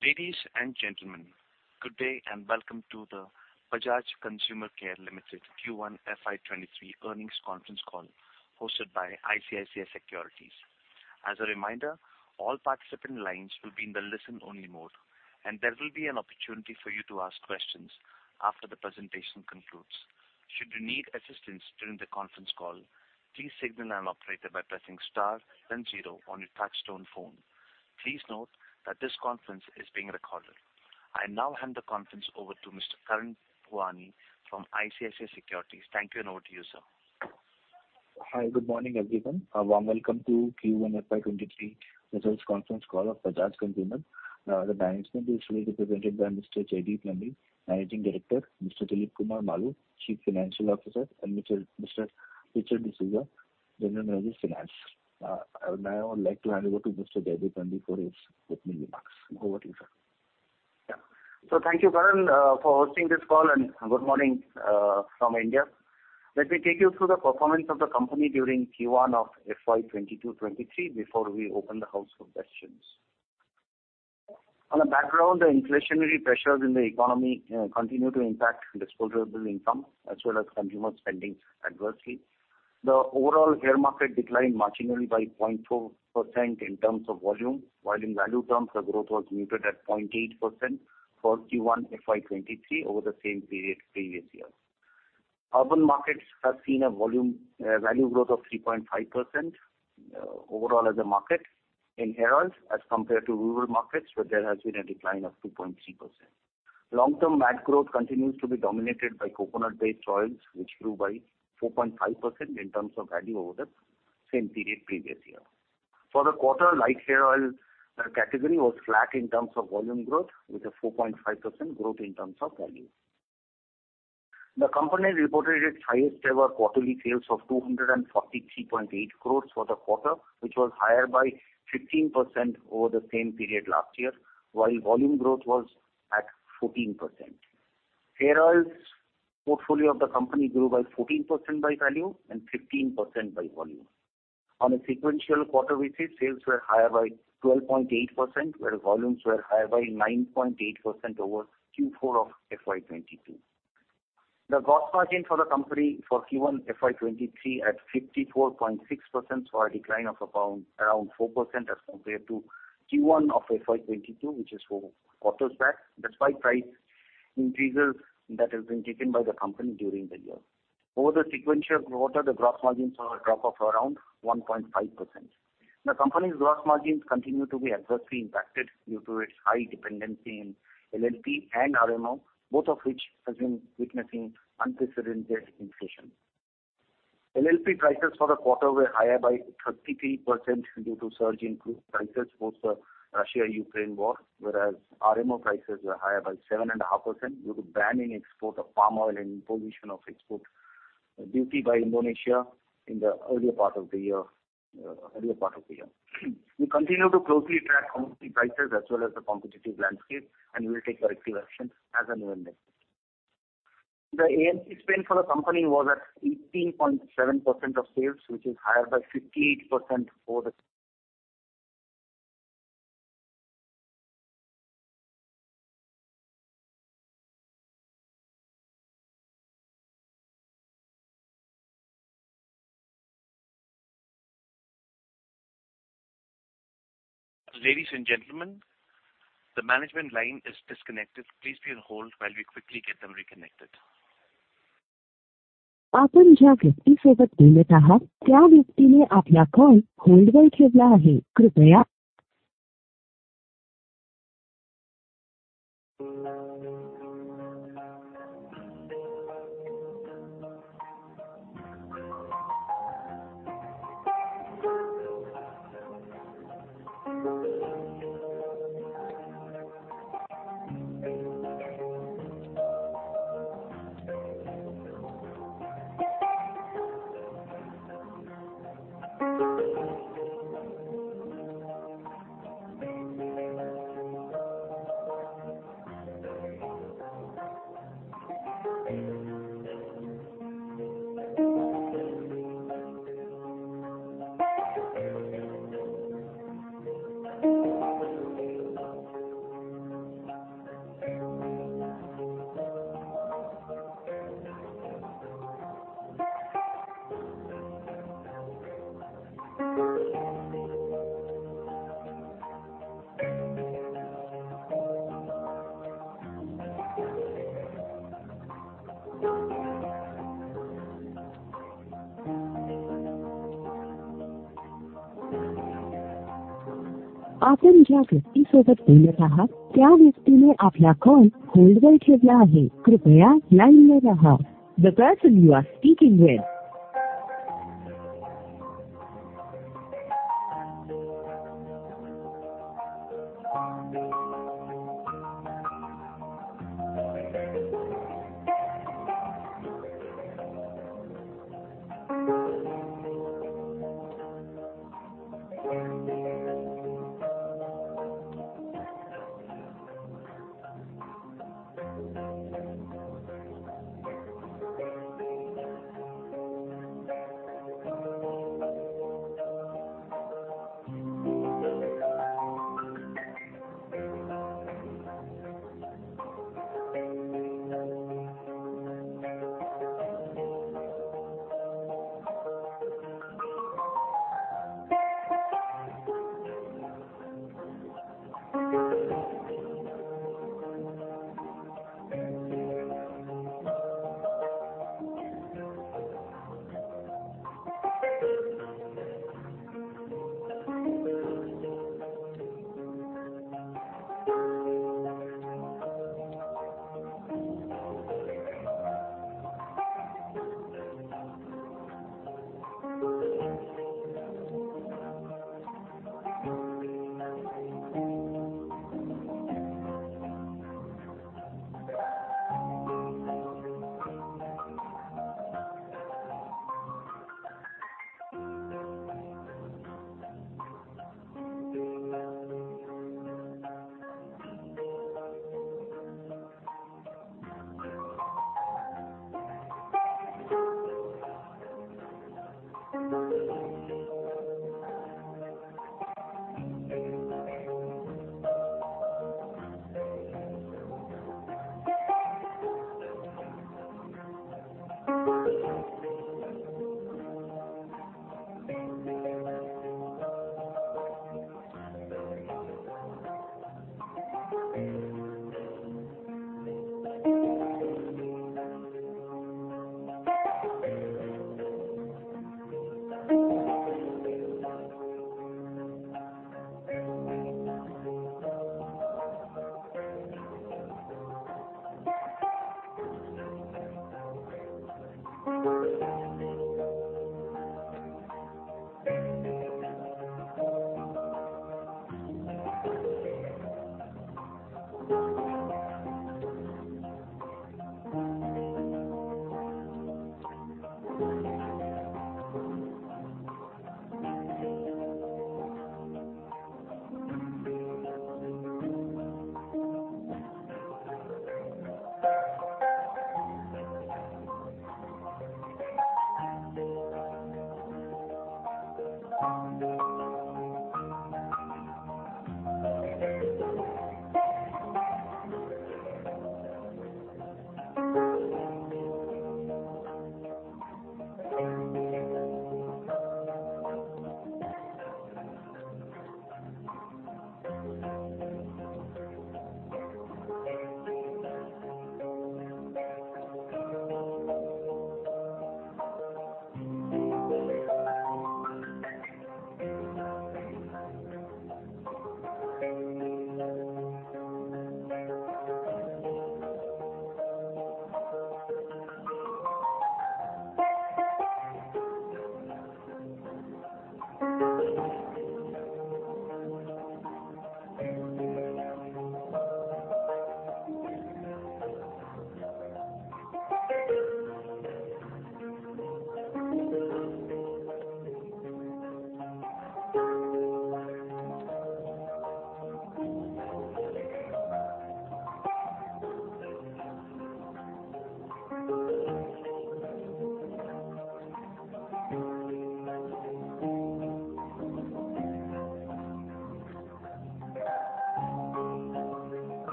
Ladies and gentlemen, good day and welcome to the Bajaj Consumer Care Limited Q1 FY23 Earnings Conference Call hosted by ICICI Securities. As a reminder, all participant lines will be in the listen only mode, and there will be an opportunity for you to ask questions after the presentation concludes. Should you need assistance during the conference call, please signal an operator by pressing star then zero on your touchtone phone. Please note that this conference is being recorded. I now hand the conference over to Mr. Karan Bhuwania from ICICI Securities. Thank you, and over to you, sir. Hi. Good morning, everyone. A warm welcome to Q1 FY 23 Results Conference Call of Bajaj Consumer Care. The management is really represented by Mr. Jaideep Nandi, Managing Director, Mr. Dilip Kumar Maloo, Chief Financial Officer, and Mr. Richard D'Souza, General Manager Finance. I would now like to hand over to Mr. Jaideep Nandi for his opening remarks. Over to you, sir. Thank you, Karan, for hosting this call, and good morning from India. Let me take you through the performance of the company during Q1 of FY 2022/2023 before we open the house for questions. In the background, the inflationary pressures in the economy continue to impact disposable income as well as consumer spending adversely. The overall hair market declined marginally by 0.4% in terms of volume, while in value terms, the growth was muted at 0.8% for Q1 FY 2023 over the same period previous year. Urban markets have seen a volume, value growth of 3.5%, overall as a market in hair oils as compared to rural markets, where there has been a decline of 2.3%. Long-term MAT growth continues to be dominated by coconut-based oils, which grew by 4.5% in terms of value over the same period previous year. For the quarter, light hair oil category was flat in terms of volume growth with a 4.5% growth in terms of value. The company reported its highest ever quarterly sales of 243.8 crore for the quarter, which was higher by 15% over the same period last year, while volume growth was at 14%. Hair oils portfolio of the company grew by 14% by value and 15% by volume. On a sequential quarter basis, sales were higher by 12.8%, where volumes were higher by 9.8% over Q4 of FY 2022. The gross margin for the company for Q1 FY 2023 at 54.6%, saw a decline of around four percent as compared to Q1 of FY 2022, which is four quarters back, despite price increases that has been taken by the company during the year. Over the sequential quarter, the gross margins saw a drop of around 1.5%. The company's gross margins continue to be adversely impacted due to its high dependency in LLP and RMO, both of which has been witnessing unprecedented inflation. LLP prices for the quarter were higher by 33% due to surge in crude prices post the Russia-Ukraine war, whereas RMO prices were higher by 7.5% due to ban in export of palm oil and imposition of export duty by Indonesia in the earlier part of the year. We continue to closely track commodity prices as well as the competitive landscape, and we will take corrective action as and when necessary. The A&P spend for the company was at 18.7% of sales, which is higher by 58% over- Ladies and gentlemen, the management line is disconnected. Please be on hold while we quickly get them reconnected.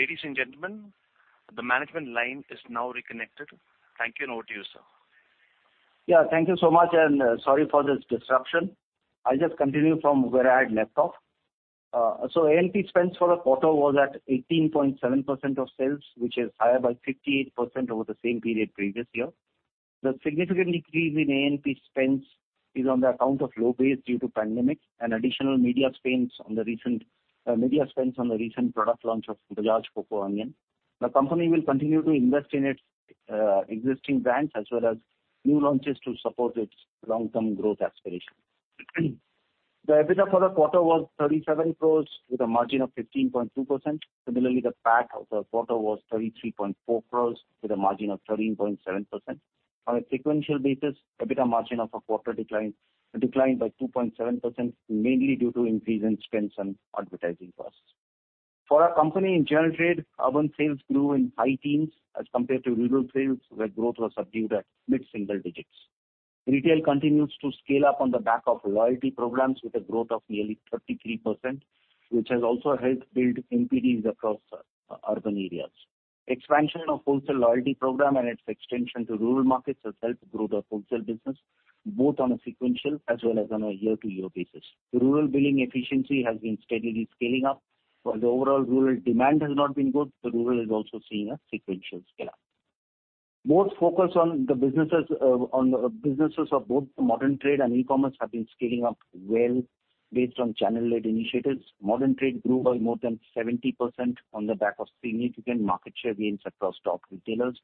Ladies and gentlemen, the management line is now reconnected. Thank you and over to you, sir. Yeah. Thank you so much, and sorry for this disruption. I'll just continue from where I had left off. A&P spends for the quarter was at 18.7% of sales, which is higher by 58% over the same period previous year. The significant increase in A&P spends is on the account of low base due to pandemic and additional media spends on the recent product launch of Bajaj Coco Onion. The company will continue to invest in its existing brands as well as new launches to support its long-term growth aspiration. The EBITDA for the quarter was 37 crore with a margin of 15.2%. Similarly, the PAT of the quarter was 33.4 crore with a margin of 13.7%. On a sequential basis, EBITDA margin of the quarter declined by 2.7%, mainly due to increase in spends on advertising costs. For our company in general trade, urban sales grew in high teens as compared to rural sales, where growth was subdued at mid-single digits. Retail continues to scale up on the back of loyalty programs with a growth of nearly 33%, which has also helped build NPDs across urban areas. Expansion of wholesale loyalty program and its extension to rural markets has helped grow the wholesale business both on a sequential as well as on a year-to-year basis. The rural billing efficiency has been steadily scaling up. While the overall rural demand has not been good, the rural is also seeing a sequential scale-up. More focus on the businesses of both modern trade and e-commerce have been scaling up well based on channel-led initiatives. Modern trade grew by more than 70% on the back of significant market share gains across top retailers.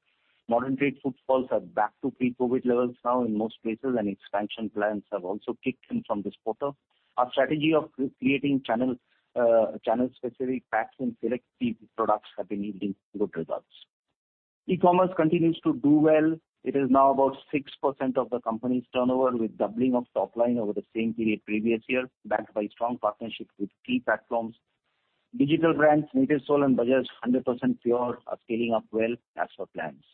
Modern trade footfalls are back to pre-COVID levels now in most places, and expansion plans have also kicked in from this quarter. Our strategy of creating channel-specific packs in select key products have been yielding good results. E-commerce continues to do well. It is now about 6% of the company's turnover, with doubling of top line over the same period previous year, backed by strong partnerships with key platforms. Digital brands, Natyv Soul and Bajaj 100% Pure are scaling up well as per plans.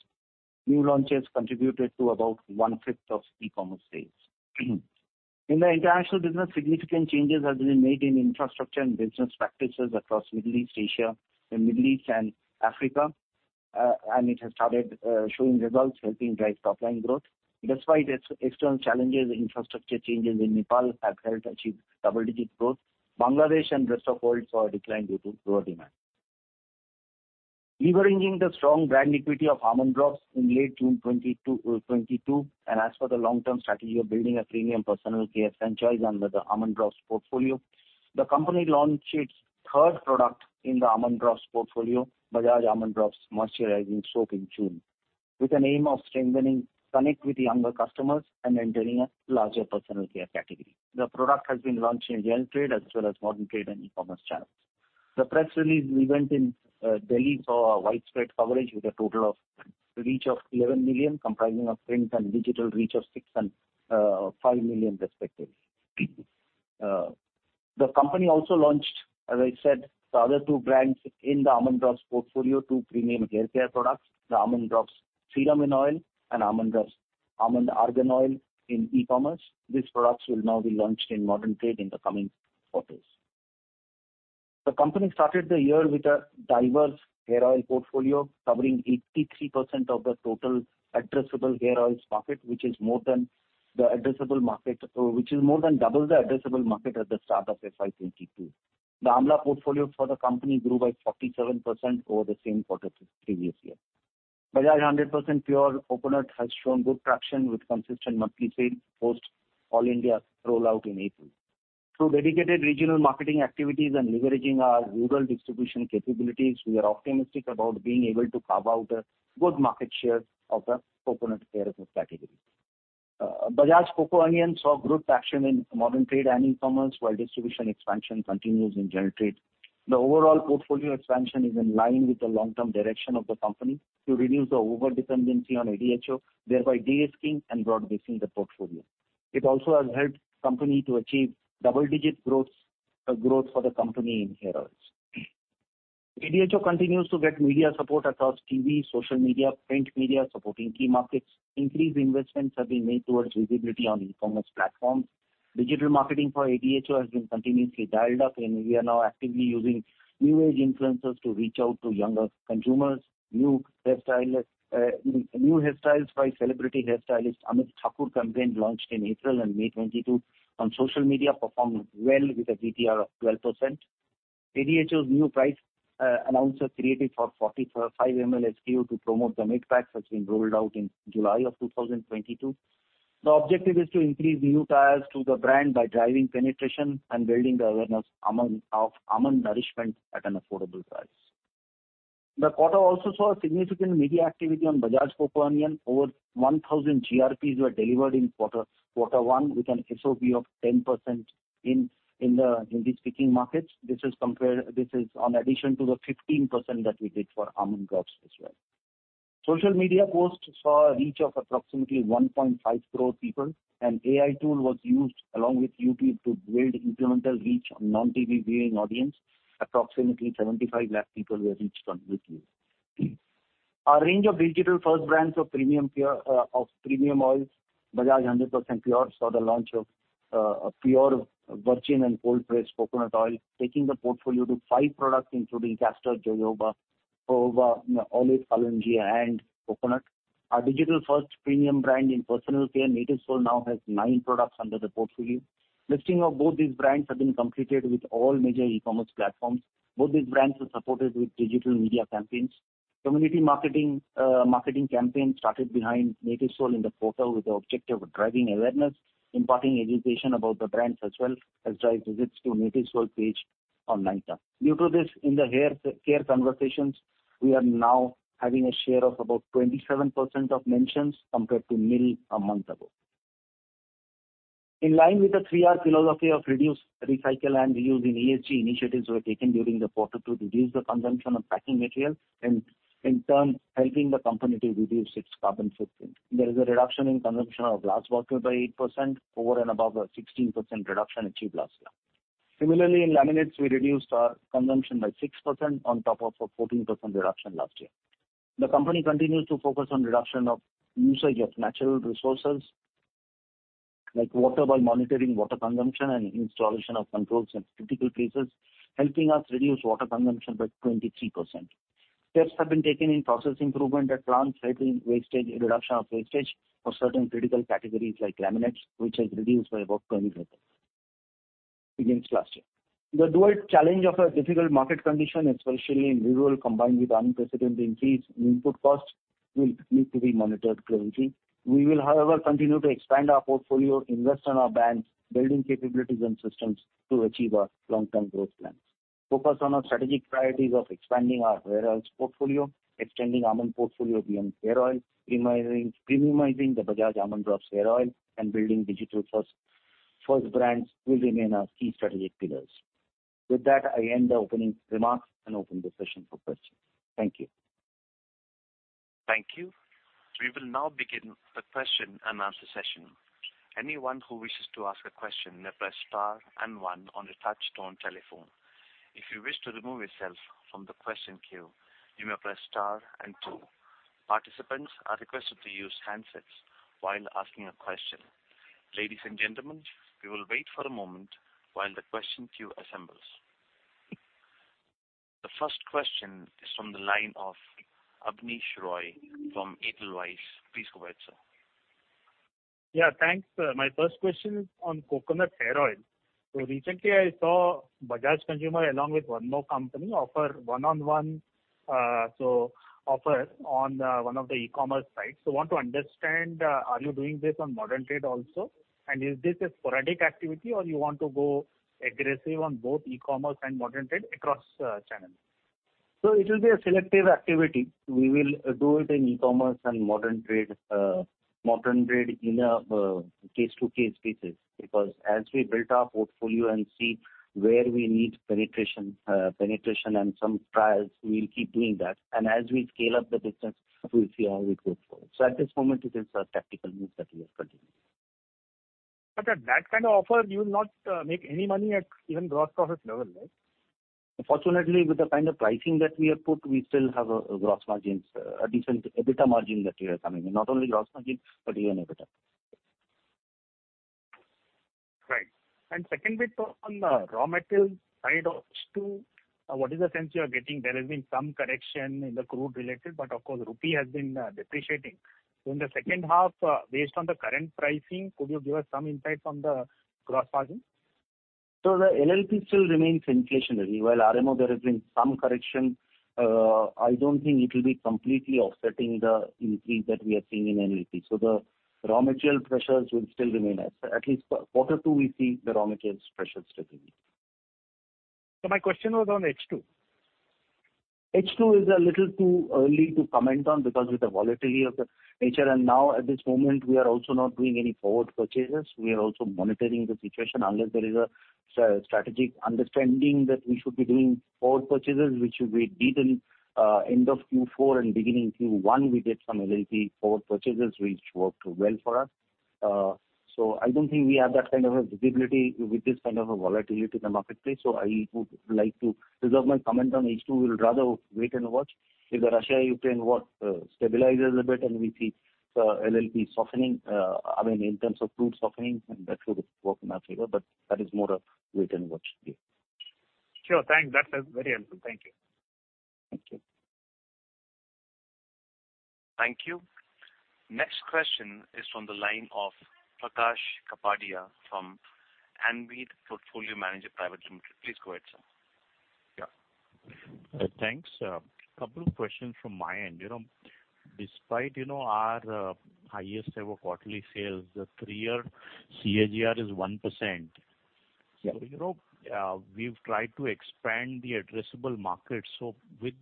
New launches contributed to about 1/5 of e-commerce sales. In the international business, significant changes have been made in infrastructure and business practices across the Middle East and Africa. It has started showing results, helping drive top-line growth. Despite external challenges, infrastructure changes in Nepal have helped achieve double-digit growth. Bangladesh and rest of world saw a decline due to lower demand. Leveraging the strong brand equity of Almond Drops in late June 2022, and as for the long-term strategy of building a premium personal care franchise under the Almond Drops portfolio, the company launched its third product in the Almond Drops portfolio, Bajaj Almond Drops Moisturizing Soap in June, with an aim of strengthening connect with younger customers and entering a larger personal care category. The product has been launched in general trade as well as modern trade and e-commerce channels. The press release event in Delhi saw a widespread coverage with a total reach of 11 million, comprising of print and digital reach of 6 million and 5 million respectively. The company also launched, as I said, the other two brands in the Almond Drops portfolio, two premium hair care products, the Almond Drops Seed Amino Oil and Almond Drops Almond Argan Oil in e-commerce. These products will now be launched in modern trade in the coming quarters. The company started the year with a diverse hair oil portfolio, covering 83% of the total addressable hair oils market, which is more than double the addressable market at the start of FY 2022. The Amla portfolio for the company grew by 47% over the same quarter previous year. Bajaj 100% Pure Coconut has shown good traction with consistent monthly sales post-all India rollout in April. Through dedicated regional marketing activities and leveraging our rural distribution capabilities, we are optimistic about being able to carve out a good market share of the coconut hair oil category. Bajaj Coco Onion saw good traction in modern trade and e-commerce, while distribution expansion continues in general trade. The overall portfolio expansion is in line with the long-term direction of the company to reduce the overdependency on ADHO, thereby de-risking and broad-basing the portfolio. It also has helped company to achieve double-digit growth for the company in hair oils. ADHO continues to get media support across TV, social media, print media, supporting key markets. Increased investments have been made towards visibility on e-commerce platforms. Digital marketing for ADHO has been continuously dialed up, and we are now actively using new age influencers to reach out to younger consumers. New hairstyles by celebrity hairstylist Amit Thakur campaign launched in April and May 2022 on social media performed well with a VTR of 12%. ADHO's new price announcer created for 45 ml SKU to promote the mixed packs has been rolled out in July 2022. The objective is to increase new trials to the brand by driving penetration and building the awareness of almond nourishment at an affordable price. The quarter also saw a significant media activity on Bajaj Coco Onion. Over 1,000 GRPs were delivered in quarter one, with an SOV of 10% in the Hindi-speaking markets. This is in addition to the 15% that we did for Almond Drops as well. Social media posts saw a reach of approximately 1.5 crore people, and AI tool was used along with YouTube to build incremental reach on non-TV viewing audience. Approximately 75 lakh people were reached on YouTube. Our range of digital first brands of premium pure, of premium oils, Bajaj 100% Pure, saw the launch of a pure virgin and cold-pressed coconut oil, taking the portfolio to five products including castor, jojoba, olive, kalonji and coconut. Our digital first premium brand in personal care, Natyv Soul, now has nine products under the portfolio. Listing of both these brands have been completed with all major e-commerce platforms. Both these brands are supported with digital media campaigns. Community marketing campaign started behind Natyv Soul in the quarter with the objective of driving awareness, imparting education about the brands as well as drive visits to Natyv Soul page on Nykaa. Due to this, in the hair care conversations, we are now having a share of about 27% of mentions compared to nil a month ago. In line with the Three R philosophy of reduce, recycle and reuse in ESG, initiatives were taken during the quarter to reduce the consumption of packaging material and, in turn, helping the company to reduce its carbon footprint. There is a reduction in consumption of glass bottles by 8% over and above the 16% reduction achieved last year. Similarly, in laminates, we reduced our consumption by 6% on top of a 14% reduction last year. The company continues to focus on reduction of usage of natural resources like water by monitoring water consumption and installation of controls at critical places, helping us reduce water consumption by 23%. Steps have been taken in process improvement at plants, reducing wastage, a reduction of wastage for certain critical categories like laminates, which has reduced by about 20% against last year. The dual challenge of a difficult market condition, especially in rural, combined with unprecedented increase in input costs will need to be monitored closely. We will, however, continue to expand our portfolio, invest on our brands, building capabilities and systems to achieve our long-term growth plans. Focus on our strategic priorities of expanding our hair oils portfolio, extending Almond portfolio beyond hair oil, premiumizing the Bajaj Almond Drops Hair Oil and building digital first brands will remain our key strategic pillars. With that, I end the opening remarks and open the session for questions. Thank you. Thank you. We will now begin the question and answer session. Anyone who wishes to ask a question may press star and one on your touchtone telephone. If you wish to remove yourself from the question queue, you may press star and two. Participants are requested to use handsets while asking a question. Ladies and gentlemen, we will wait for a moment while the question queue assembles. The first question is from the line of Abneesh Roy from Edelweiss. Please go ahead, sir. Yeah, thanks. My first question is on Coconut Hair Oil. Recently I saw Bajaj Consumer Care along with one more company offer ono on one of the e-commerce sites. Want to understand, are you doing this on modern trade also and is this a sporadic activity or you want to go aggressive on both e-commerce and modern trade across channels? It will be a selective activity. We will do it in e-commerce and modern trade, modern trade in a case-by-case basis because as we build our portfolio and see where we need penetration and some trials, we'll keep doing that. As we scale up the business, we'll see how it goes forward. At this moment it is a tactical move that we are continuing. At that kind of offer you will not make any money at even gross profit level, right? Fortunately, with the kind of pricing that we have put, we still have a gross margins, a decent EBITDA margin that we are coming in. Not only gross margins, but even EBITDA. Right. Second bit on raw material side of H2, what is the sense you are getting? There has been some correction in the crude related, but of course rupee has been depreciating. In the second half, based on the current pricing, could you give us some insights on the gross margin? The LLP still remains inflationary. While RMO there has been some correction, I don't think it will be completely offsetting the increase that we are seeing in LLP. The raw material pressures will still remain. At least quarter two we see the raw materials pressures sticking. My question was on H2. H2 is a little too early to comment on because with the volatility of the nature and now at this moment we are also not doing any forward purchases. We are also monitoring the situation unless there is a strategic understanding that we should be doing forward purchases, which we did in end of Q4 and beginning Q1 we did some LLP forward purchases, which worked well for us. I don't think we have that kind of a visibility with this kind of a volatility in the marketplace, so I would like to reserve my comment on H2. We'll rather wait and watch. If the Russia-Ukraine war stabilizes a bit and we see the LLP softening, I mean in terms of crude softening and that should work in our favor, but that is more a wait and watch view. Sure. Thanks. That's very helpful. Thank you. Thank you. Thank you. Next question is from the line of Prakash Kapadia from Anived Portfolio Managers Private Limited. Please go ahead, sir. Yeah. Thanks. A couple of questions from my end. You know, despite, you know, our highest ever quarterly sales, the three-year CAGR is 1%. Yeah. You know, we've tried to expand the addressable market. With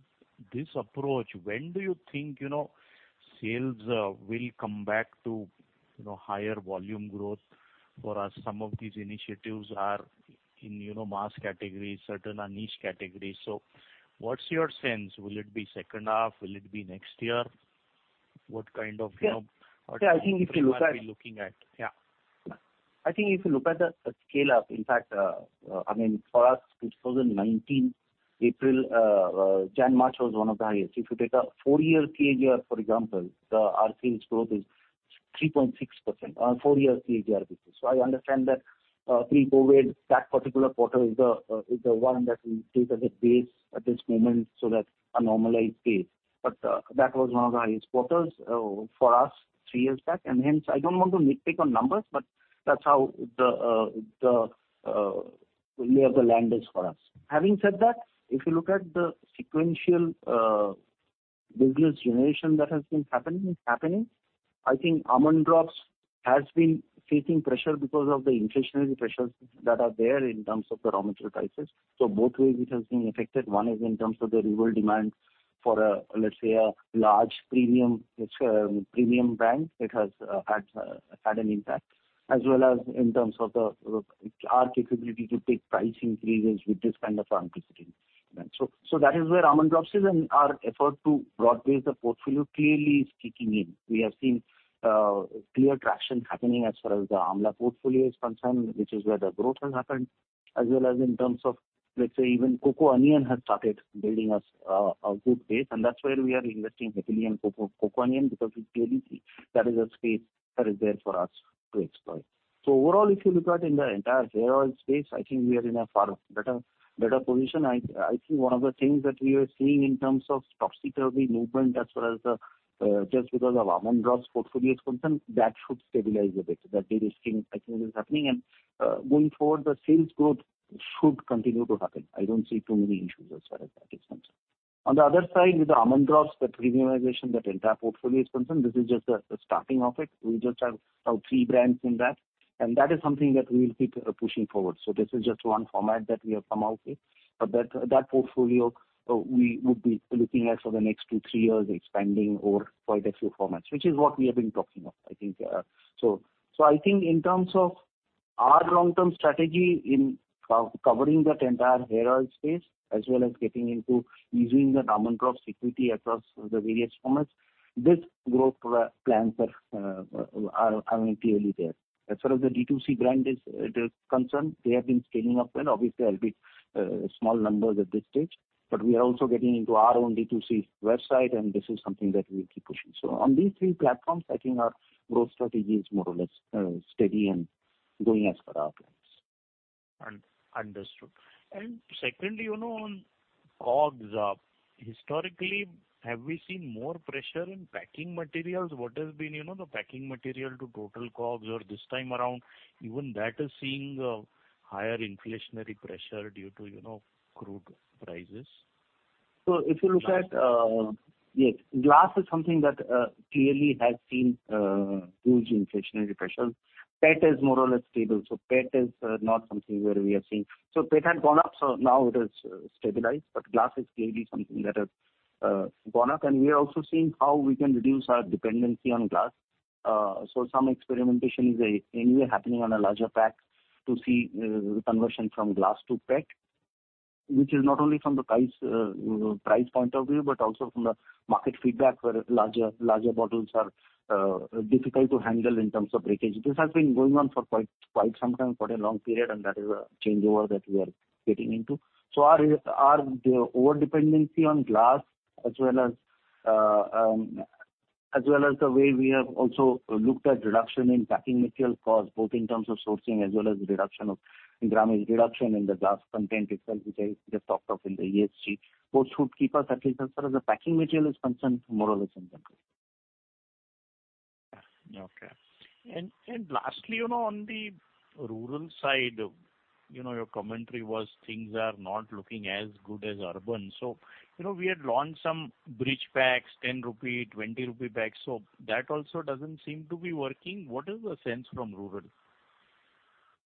this approach, when do you think, you know, sales will come back to, you know, higher volume growth? For us some of these initiatives are in, you know, mass categories, certain are niche categories. What's your sense? Will it be second half? Will it be next year? What kind of, you know- Yeah. What time frame are we looking at? Yeah, I think if you look at. Yeah. I think if you look at the scale up, in fact, I mean, for us 2019 April to January-March was one of the highest. If you take a four-year CAGR, for example, our sales growth is 3.6% on four-year CAGR basis. I understand that pre-COVID, that particular quarter is the one that we take as a base at this moment, so that's a normalized case. That was one of the highest quarters for us three years back, and hence I don't want to nitpick on numbers, but that's how the lay of the land is for us. Having said that, if you look at the sequential business generation that has been happening, is happening, I think Almond Drops has been facing pressure because of the inflationary pressures that are there in terms of the raw material prices. So both ways it has been affected. One is in terms of the rural demand for, let's say, a large premium brand that has had an impact as well as in terms of our capability to take price increases with this kind of elasticity. That is where Almond Drops is and our effort to broad base the portfolio clearly is kicking in. We have seen clear traction happening as far as the Amla portfolio is concerned, which is where the growth has happened. As well as in terms of, let's say, even Coco Onion has started building us a good base, and that's where we are investing heavily in Coco Onion because we clearly see that is a space that is there for us to explore. Overall if you look at in the entire hair oil space, I think we are in a far better position. I think one of the things that we were seeing in terms of stock-keeping movement as far as that is just because of Almond Drops portfolio is concerned, that should stabilize a bit. That we are seeing, I think it is happening. Going forward, the sales growth should continue to happen. I don't see too many issues as far as that is concerned. On the other side, with the Almond Drops, the premiumization that entire portfolio is concerned, this is just the starting of it. We just have now three brands in that, and that is something that we will keep pushing forward. This is just one format that we have come out with. But that portfolio, we would be looking at for the next two-three years expanding over quite a few formats, which is what we have been talking of, I think. I think in terms of our long-term strategy in covering that entire hair oil space, as well as getting into using the Almond Drops equity across the various formats, this growth plans are, I mean, clearly there. As far as the D2C brand is concerned, they have been scaling up, and obviously there'll be small numbers at this stage. We are also getting into our own D2C website, and this is something that we keep pushing. On these three platforms, I think our growth strategy is more or less steady and going as per our plans. Understood. Secondly, on COGS, historically, have we seen more pressure in packaging materials? What has been the packaging material to total COGS? Or this time around, even that is seeing higher inflationary pressure due to crude prices. If you look at, glass is something that clearly has seen huge inflationary pressures. PET is more or less stable, so PET is not something where we are seeing. PET had gone up, so now it has stabilized. Glass is clearly something that has gone up. We are also seeing how we can reduce our dependency on glass. Some experimentation is anyway happening on a larger pack to see conversion from glass to PET, which is not only from the price, you know, price point of view, but also from the market feedback where larger bottles are difficult to handle in terms of breakage. This has been going on for quite some time, for a long period, and that is a changeover that we are getting into. The over-dependency on glass as well as the way we have also looked at reduction in packaging material costs, both in terms of sourcing as well as reduction of grammage in the glass content itself, which I just talked of in the ESG, both should keep us, at least as far as the packaging material is concerned, more or less in control. Yeah. Okay. Lastly, you know, on the rural side, you know, your commentary was things are not looking as good as urban. We had launched some bridge packs, 10 rupee, 20 rupee packs. That also doesn't seem to be working. What is the sense from rural?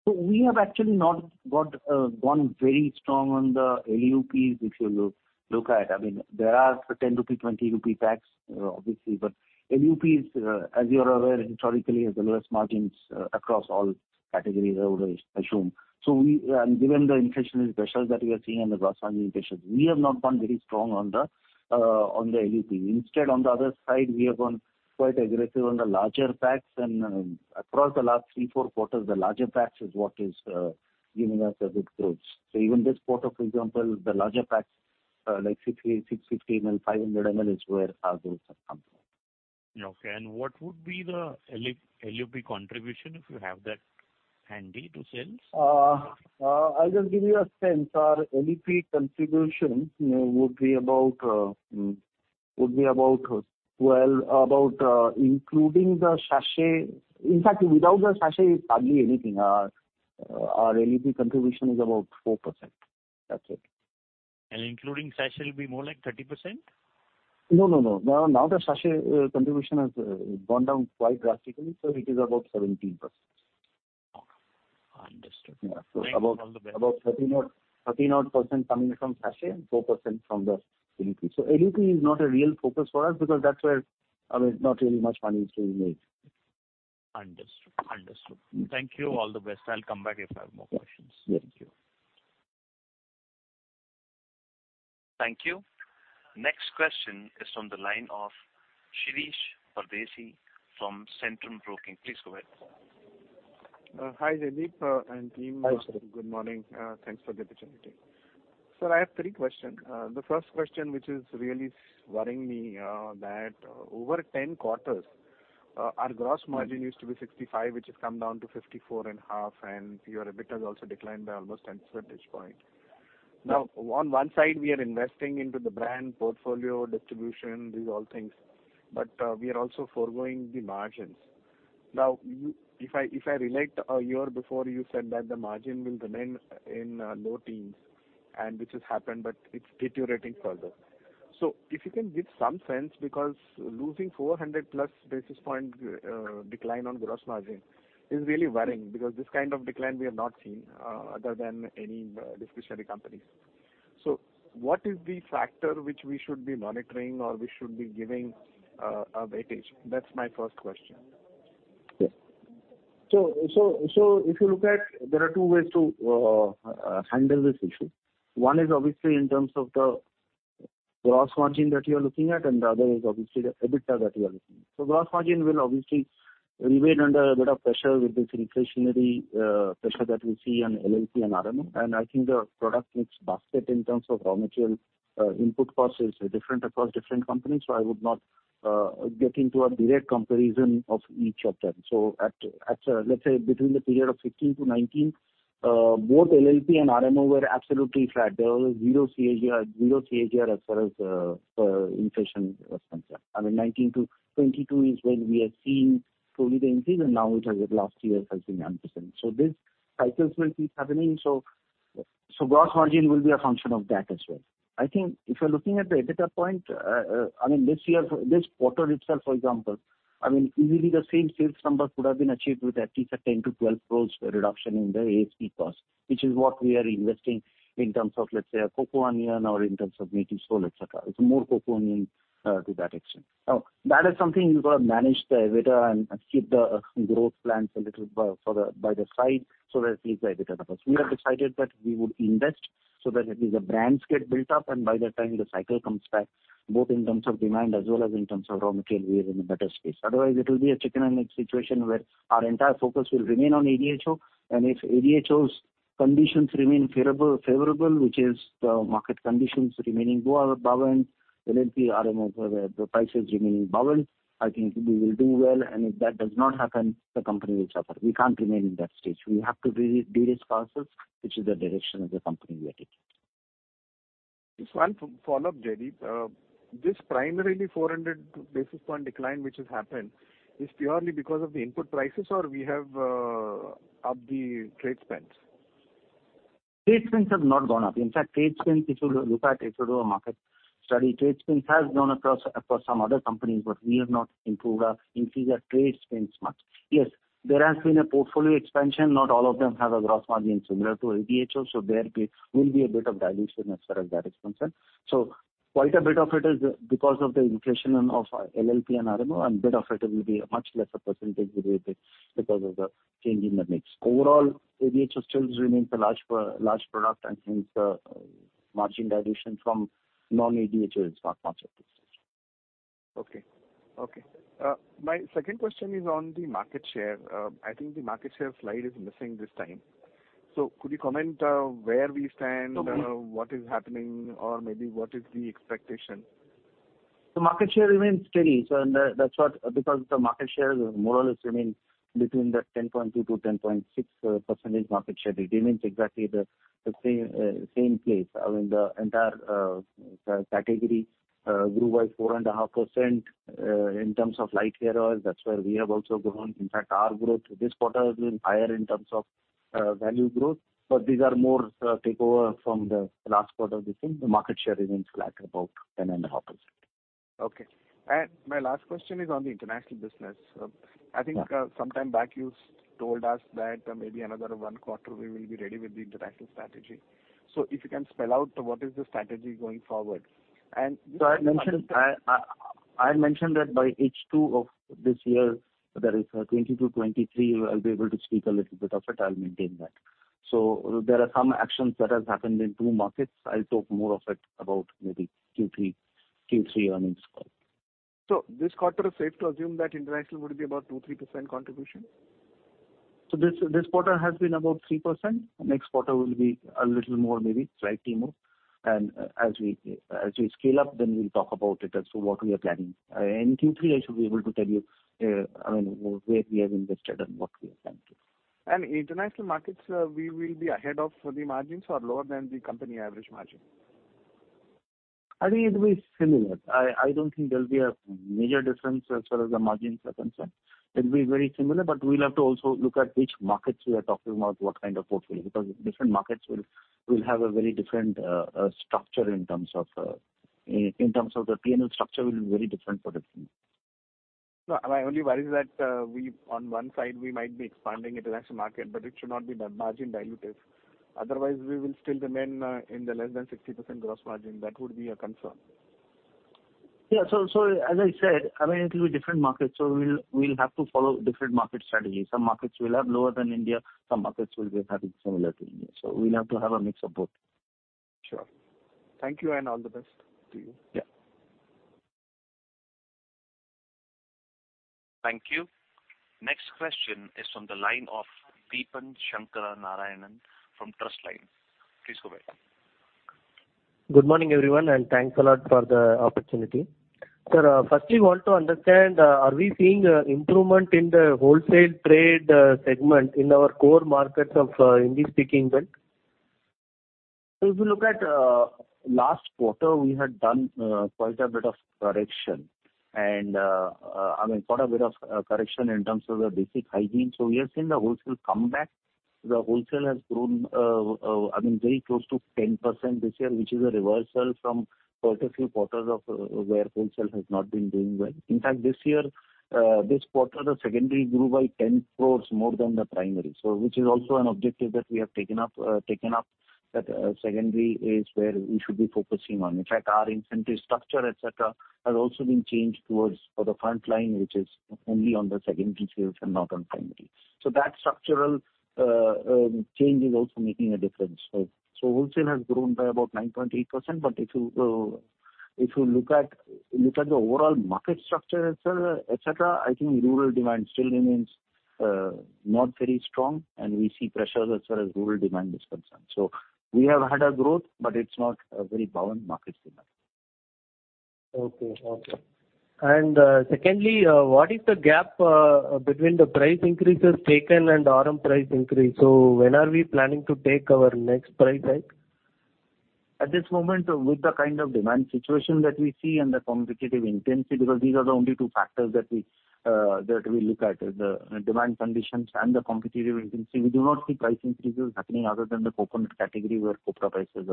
We have actually not gone very strong on the LUPs if you look at. I mean, there are the 10 rupee, 20 rupee packs, obviously. But LUPs, as you are aware historically, has the lowest margins across all categories I would assume. We, given the inflationary pressures that we are seeing and the gross margin pressures, have not gone very strong on the LUP. Instead, on the other side, we have gone quite aggressive on the larger packs and, across the last three, four quarters, the larger packs is what is giving us the good growth. Even this quarter, for example, the larger packs, like 60 ml, 650 ml, 500 ml is where our growth has come from. Okay. What would be the LUP contribution, if you have that handy, to sales? I'll just give you a sense. Our LUP contribution, you know, would be about, well, about, including the sachet. In fact, without the sachet, it's hardly anything. Our LUP contribution is about 4%. That's it. Including sachet will be more like 30%? No. Now the sachet contribution has gone down quite drastically, so it is about 17%. Oh. Understood. Yeah. Thank you. All the best... about 13 odd % coming from sachet and 4% from the LUP. LUP is not a real focus for us because that's where, I mean, not really much money is to be made. Understood. Thank you. All the best. I'll come back if I have more questions. Yes. Thank you. Next question is from the line of Shirish Pardeshi from Centrum Broking. Please go ahead. Hi, Jaideep and team. Hi, Shirish. Good morning. Thanks for the opportunity. Sir, I have three questions. The first question, which is really worrying me, that over 10 quarters, our gross margin used to be 65%, which has come down to 54.5%, and your EBITDA has also declined by almost 10 percentage points. Now, on one side we are investing into the brand portfolio, distribution, these all things, but we are also foregoing the margins. Now, if I relate a year before, you said that the margin will remain in low teens, and which has happened, but it's deteriorating further. If you can give some sense, because losing 400+ basis points decline on gross margin is really worrying, because this kind of decline we have not seen other than any discretionary companies. What is the factor which we should be monitoring or we should be giving a weightage? That's my first question. Yes. If you look at, there are two ways to handle this issue. One is obviously in terms of the gross margin that you're looking at, and the other is obviously the EBITDA that you are looking at. Gross margin will obviously remain under a bit of pressure with this inflationary pressure that we see on LLP and RMO. I think the product mix basket in terms of raw material input costs is different across different companies, so I would not get into a direct comparison of each of them. At let's say between the period of 2015 to 2019, both LLP and RMO were absolutely flat. There was zero CAGR as far as inflation was concerned. I mean, 2019 to 2022 is when we are seeing slowly the increase, and now it has, last year has been unprecedented. These cycles will keep happening. Gross margin will be a function of that as well. I think if you're looking at the EBITDA point, I mean, this year, this quarter itself, for example, I mean, easily the same sales number could have been achieved with at least 10 crore-12 crore reduction in the A&P cost, which is what we are investing in terms of, let's say, Coco Onion or in terms of Natyv Soul, et cetera. It's more Coco Onion, to that extent. Now, that is something we've got to manage the EBITDA and keep the growth plans a little by the side, so that it feeds the EBITDA numbers. We have decided that we would invest so that at least the brands get built up, and by that time the cycle comes back, both in terms of demand as well as in terms of raw material, we are in a better space. Otherwise, it will be a chicken and egg situation where our entire focus will remain on ADHO. If ADHO's conditions remain favorable, which is the market conditions remaining good or above and LLP, RMO, the prices remaining above it, I think we will do well. If that does not happen, the company will suffer. We can't remain in that stage. We have to re-derisk ourselves, which is the direction of the company we are taking. Just one follow-up, Jaideep. This primarily 400 basis points decline which has happened is purely because of the input prices or we have upped the trade spends? Trade spends have not gone up. In fact, trade spends, if you look at it, if you do a market study, trade spends has gone across for some other companies, but we have not improved our, increased our trade spends much. Yes, there has been a portfolio expansion. Not all of them have a gross margin similar to ADHO, so there will be a bit of dilution as far as that is concerned. Quite a bit of it is because of the inflation of LLP and RMO, and bit of it will be a much lesser percentage related because of the change in the mix. Overall, ADHO still remains a large product, and hence the margin dilution from non-ADHO is not much at this stage. Okay. My second question is on the market share. I think the market share slide is missing this time. Could you comment where we stand? Okay. What is happening or maybe what is the expectation? The market share remains steady, because the market share more or less remains between 10.2%-10.6% market share. It remains exactly the same place. I mean, the entire category grew by 4.5% in terms of light hair oils. That's where we have also grown. In fact, our growth this quarter is a little higher in terms of value growth, but these are more takeover from the last quarter. The market share remains flat, about 10.5%. Okay. My last question is on the international business. Yeah. I think, sometime back you told us that maybe another one quarter we will be ready with the international strategy. If you can spell out what is the strategy going forward? I mentioned that by H2 of this year, that is, 2022, 2023, I'll be able to speak a little bit of it. I'll maintain that. There are some actions that has happened in two markets. I'll talk more of it about maybe Q3 earnings call. This quarter is safe to assume that international would be about 2%-3% contribution? This quarter has been about 3%. Next quarter will be a little more, maybe slightly more. As we scale up, then we'll talk about it as to what we are planning. In Q3, I should be able to tell you, I mean, where we have invested and what we are planning to. International markets, we will be ahead of the margins or lower than the company average margin? I think it'll be similar. I don't think there'll be a major difference as far as the margins are concerned. It'll be very similar, but we'll have to also look at which markets we are talking about, what kind of portfolio, because different markets will have a very different structure in terms of the P&L structure will be very different for different. No, my only worry is that, we on one side might be expanding international market, but it should not be margin dilutive. Otherwise we will still remain in the less than 60% gross margin. That would be a concern. Yeah, so as I said, I mean, it'll be different markets, so we'll have to follow different market strategies. Some markets will have lower than India. Some markets will be having similar to India. We'll have to have a mix of both. Sure. Thank you and all the best to you. Yeah. Thank you. Next question is from the line of Deepan Shankara Narayanan from Trustline. Please go ahead. Good morning, everyone, and thanks a lot for the opportunity. Sir, firstly want to understand, are we seeing improvement in the wholesale trade segment in our core markets of Hindi-speaking belt? If you look at last quarter, we had done quite a bit of correction and I mean quite a bit of correction in terms of the basic hygiene. We have seen the wholesale come back. The wholesale has grown I mean very close to 10% this year, which is a reversal from quite a few quarters of where wholesale has not been doing well. In fact, this year this quarter, the secondary grew by 10 crore more than the primary, which is also an objective that we have taken up, that secondary is where we should be focusing on. In fact, our incentive structure, et cetera, has also been changed towards for the front line, which is only on the secondary sales and not on primary. That structural change is also making a difference. Wholesale has grown by about 9.8%. If you look at the overall market structure et cetera, I think rural demand still remains not very strong, and we see pressures as far as rural demand is concerned. We have had a growth, but it's not a very buoyant market signal. Okay. Secondly, what is the gap between the price increases taken and RRM price increase? When are we planning to take our next price hike? At this moment, with the kind of demand situation that we see and the competitive intensity, because these are the only two factors that we look at, the demand conditions and the competitive intensity, we do not see price increases happening other than the coconut category where copra prices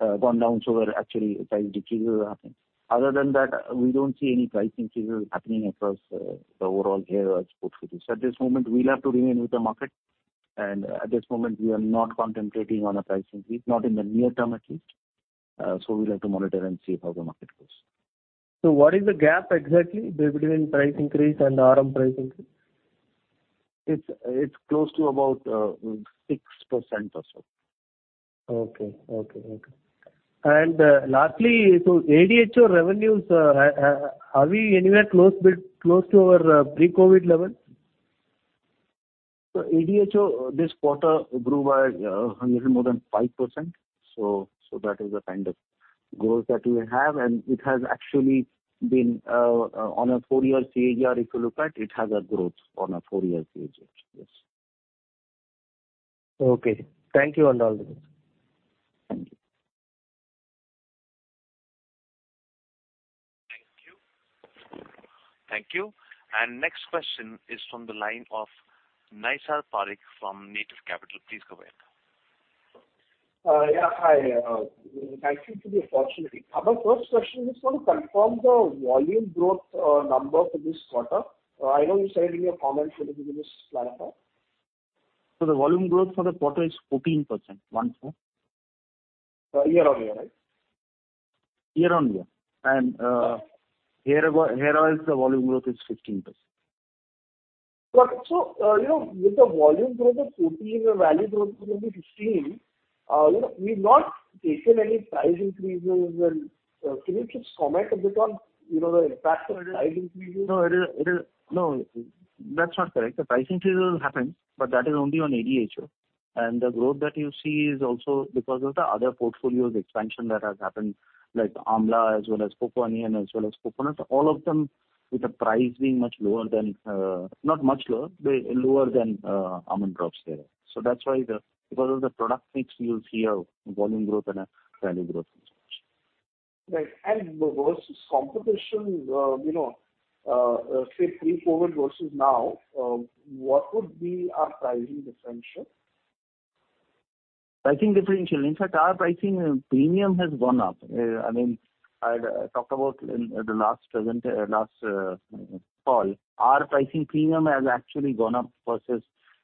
have gone down, so where actually price decreases are happening. Other than that, we don't see any price increases happening across the overall hair oil portfolio. At this moment, we'll have to remain with the market and at this moment we are not contemplating on a price increase, not in the near term at least. We'll have to monitor and see how the market goes. What is the gap exactly between price increase and RM price increase? It's close to about 6% or so. Lastly, ADHO revenues, are we anywhere close to our pre-COVID levels? ADHO this quarter grew by a little more than 5%. That is the kind of growth that we have. It has actually been on a four-year CAGR. If you look at it has a growth on a four-year CAGR. Yes. Okay. Thank you on all this. Thank you. Thank you. Next question is from the line of Nisarg Parikh from Neev Capital. Please go ahead. Yeah, hi. Thank you for the opportunity. My first question is just to confirm the volume growth number for this quarter. I know you said in your comments a little bit in this platform. The volume growth for the quarter is 14%, 14. Year-over-year, right? Year-on-year. Hair Oils, the volume growth is 15%. You know, with the volume growth of 14%, the value growth will be 15%, you know, we've not taken any price increases. Can you just comment a bit on, you know, the impact of price increases? No, it is. No, that's not correct. The price increases happened, but that is only on ADHO. The growth that you see is also because of the other portfolio's expansion that has happened, like Amla, as well as Coco Onion, as well as Coconut. All of them with the price being much lower than, not much lower, but lower than, Almond Drops Hair Oil. That's why. Because of the product mix, you'll see a volume growth and a value growth as such. Right. Versus competition, you know, say pre-COVID versus now, what would be our pricing differential? Pricing differential. In fact, our pricing premium has gone up. I mean, I talked about in the last presentation call. Our pricing premium has actually gone up versus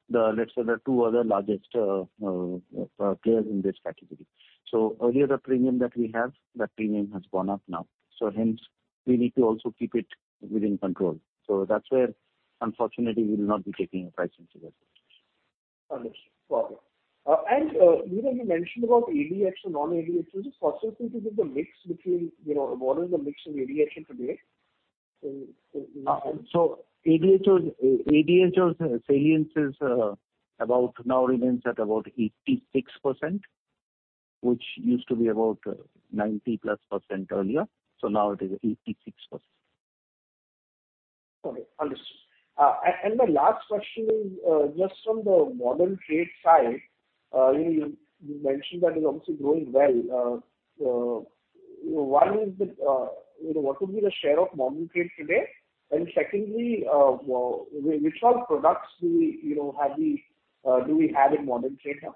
the, let's say, the two other largest players in this category. Earlier the premium that we have, that premium has gone up now. Hence we need to also keep it within control. That's where unfortunately we will not be taking a price increase at this stage. Understood. Got it. You know, you mentioned about ADHO, non-ADHO. Is it possible for you to give the mix between, you know, what is the mix in ADHO today? ADHO's salience is about now remains at about 86%, which used to be about 90+% earlier. Now it is 86%. Okay, understood. My last question is, just from the modern trade side, you mentioned that is also growing well. One is, you know, what would be the share of modern trade today? Secondly, which all products do we, you know, have in modern trade now?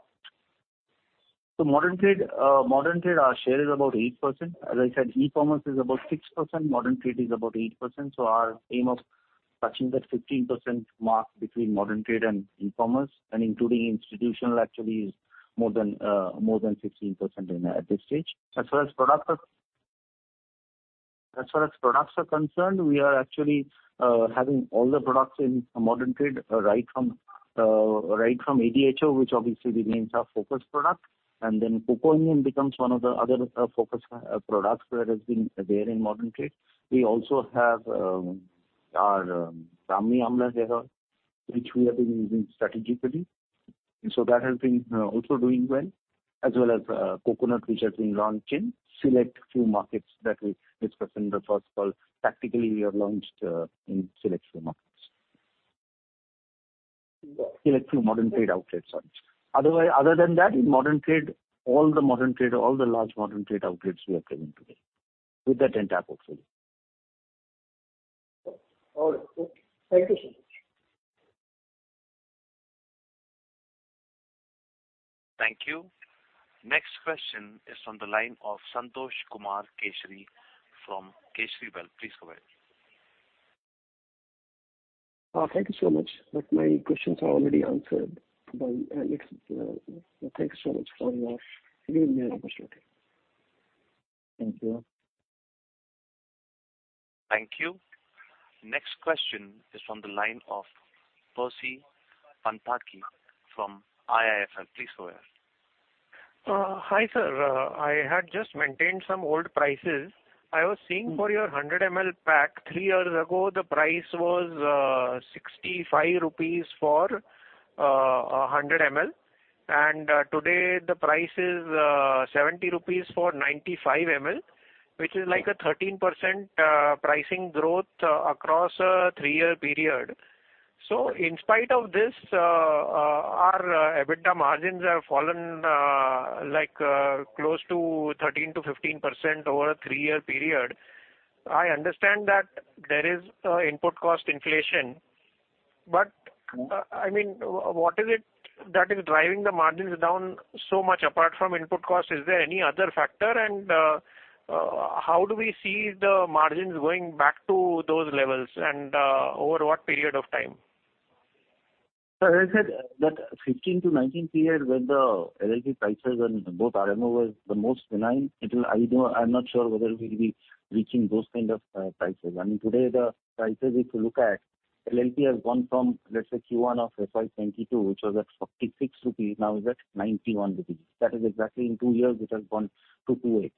Modern trade, our share is about 8%. As I said, e-commerce is about 6%, modern trade is about 8%. Our aim of touching that 15% mark between modern trade and e-commerce and including institutional actually is more than 16% in at this stage. As far as products are concerned, we are actually having all the products in modern trade, right from ADHO, which obviously remains our focus product. And then Coco Onion becomes one of the other focus products which has been there in modern trade. We also have our Brahmi Amla Hair Oil, which we have been using strategically. That has been also doing well, as well as Coconut, which has been launched in select few markets that we discussed in the first call. Tactically we have launched in select few markets. Select few modern trade outlets. Sorry. Otherwise, other than that, In modern trade, all the large modern trade outlets we are present today with the Dentac portfolio. All right, cool. Thank you so much. Thank you. Next question is from the line of Santosh Kumar Keshri from Keshri Wealth. Please go ahead. Thank you so much, but my questions are already answered by Jaideep. Thank you so much for giving me an opportunity. Thank you. Thank you. Next question is from the line of Percy Panthaki from IIFL. Please go ahead. Hi sir. I had just maintained some old prices. I was seeing for your 100 ml pack three years ago, the price was 65 rupees for 100 ml. Today the price is 70 rupees for 95 ml, which is like a 13% pricing growth across a three-year period. In spite of this, our EBITDA margins have fallen like close to 13%-15% over a three-year period. I understand that there is input cost inflation, but I mean, what is it that is driving the margins down so much apart from input cost? Is there any other factor? How do we see the margins going back to those levels and over what period of time? As I said that 15-19 period when the LLP prices and both RMO was the most benign, I don't know, I'm not sure whether we'll be reaching those kind of prices. I mean, today the prices if you look at LLP has gone from, let's say Q1 of FY 2022, which was at 46 rupees, now is at 91 rupees. That is exactly in two years it has gone to 2x.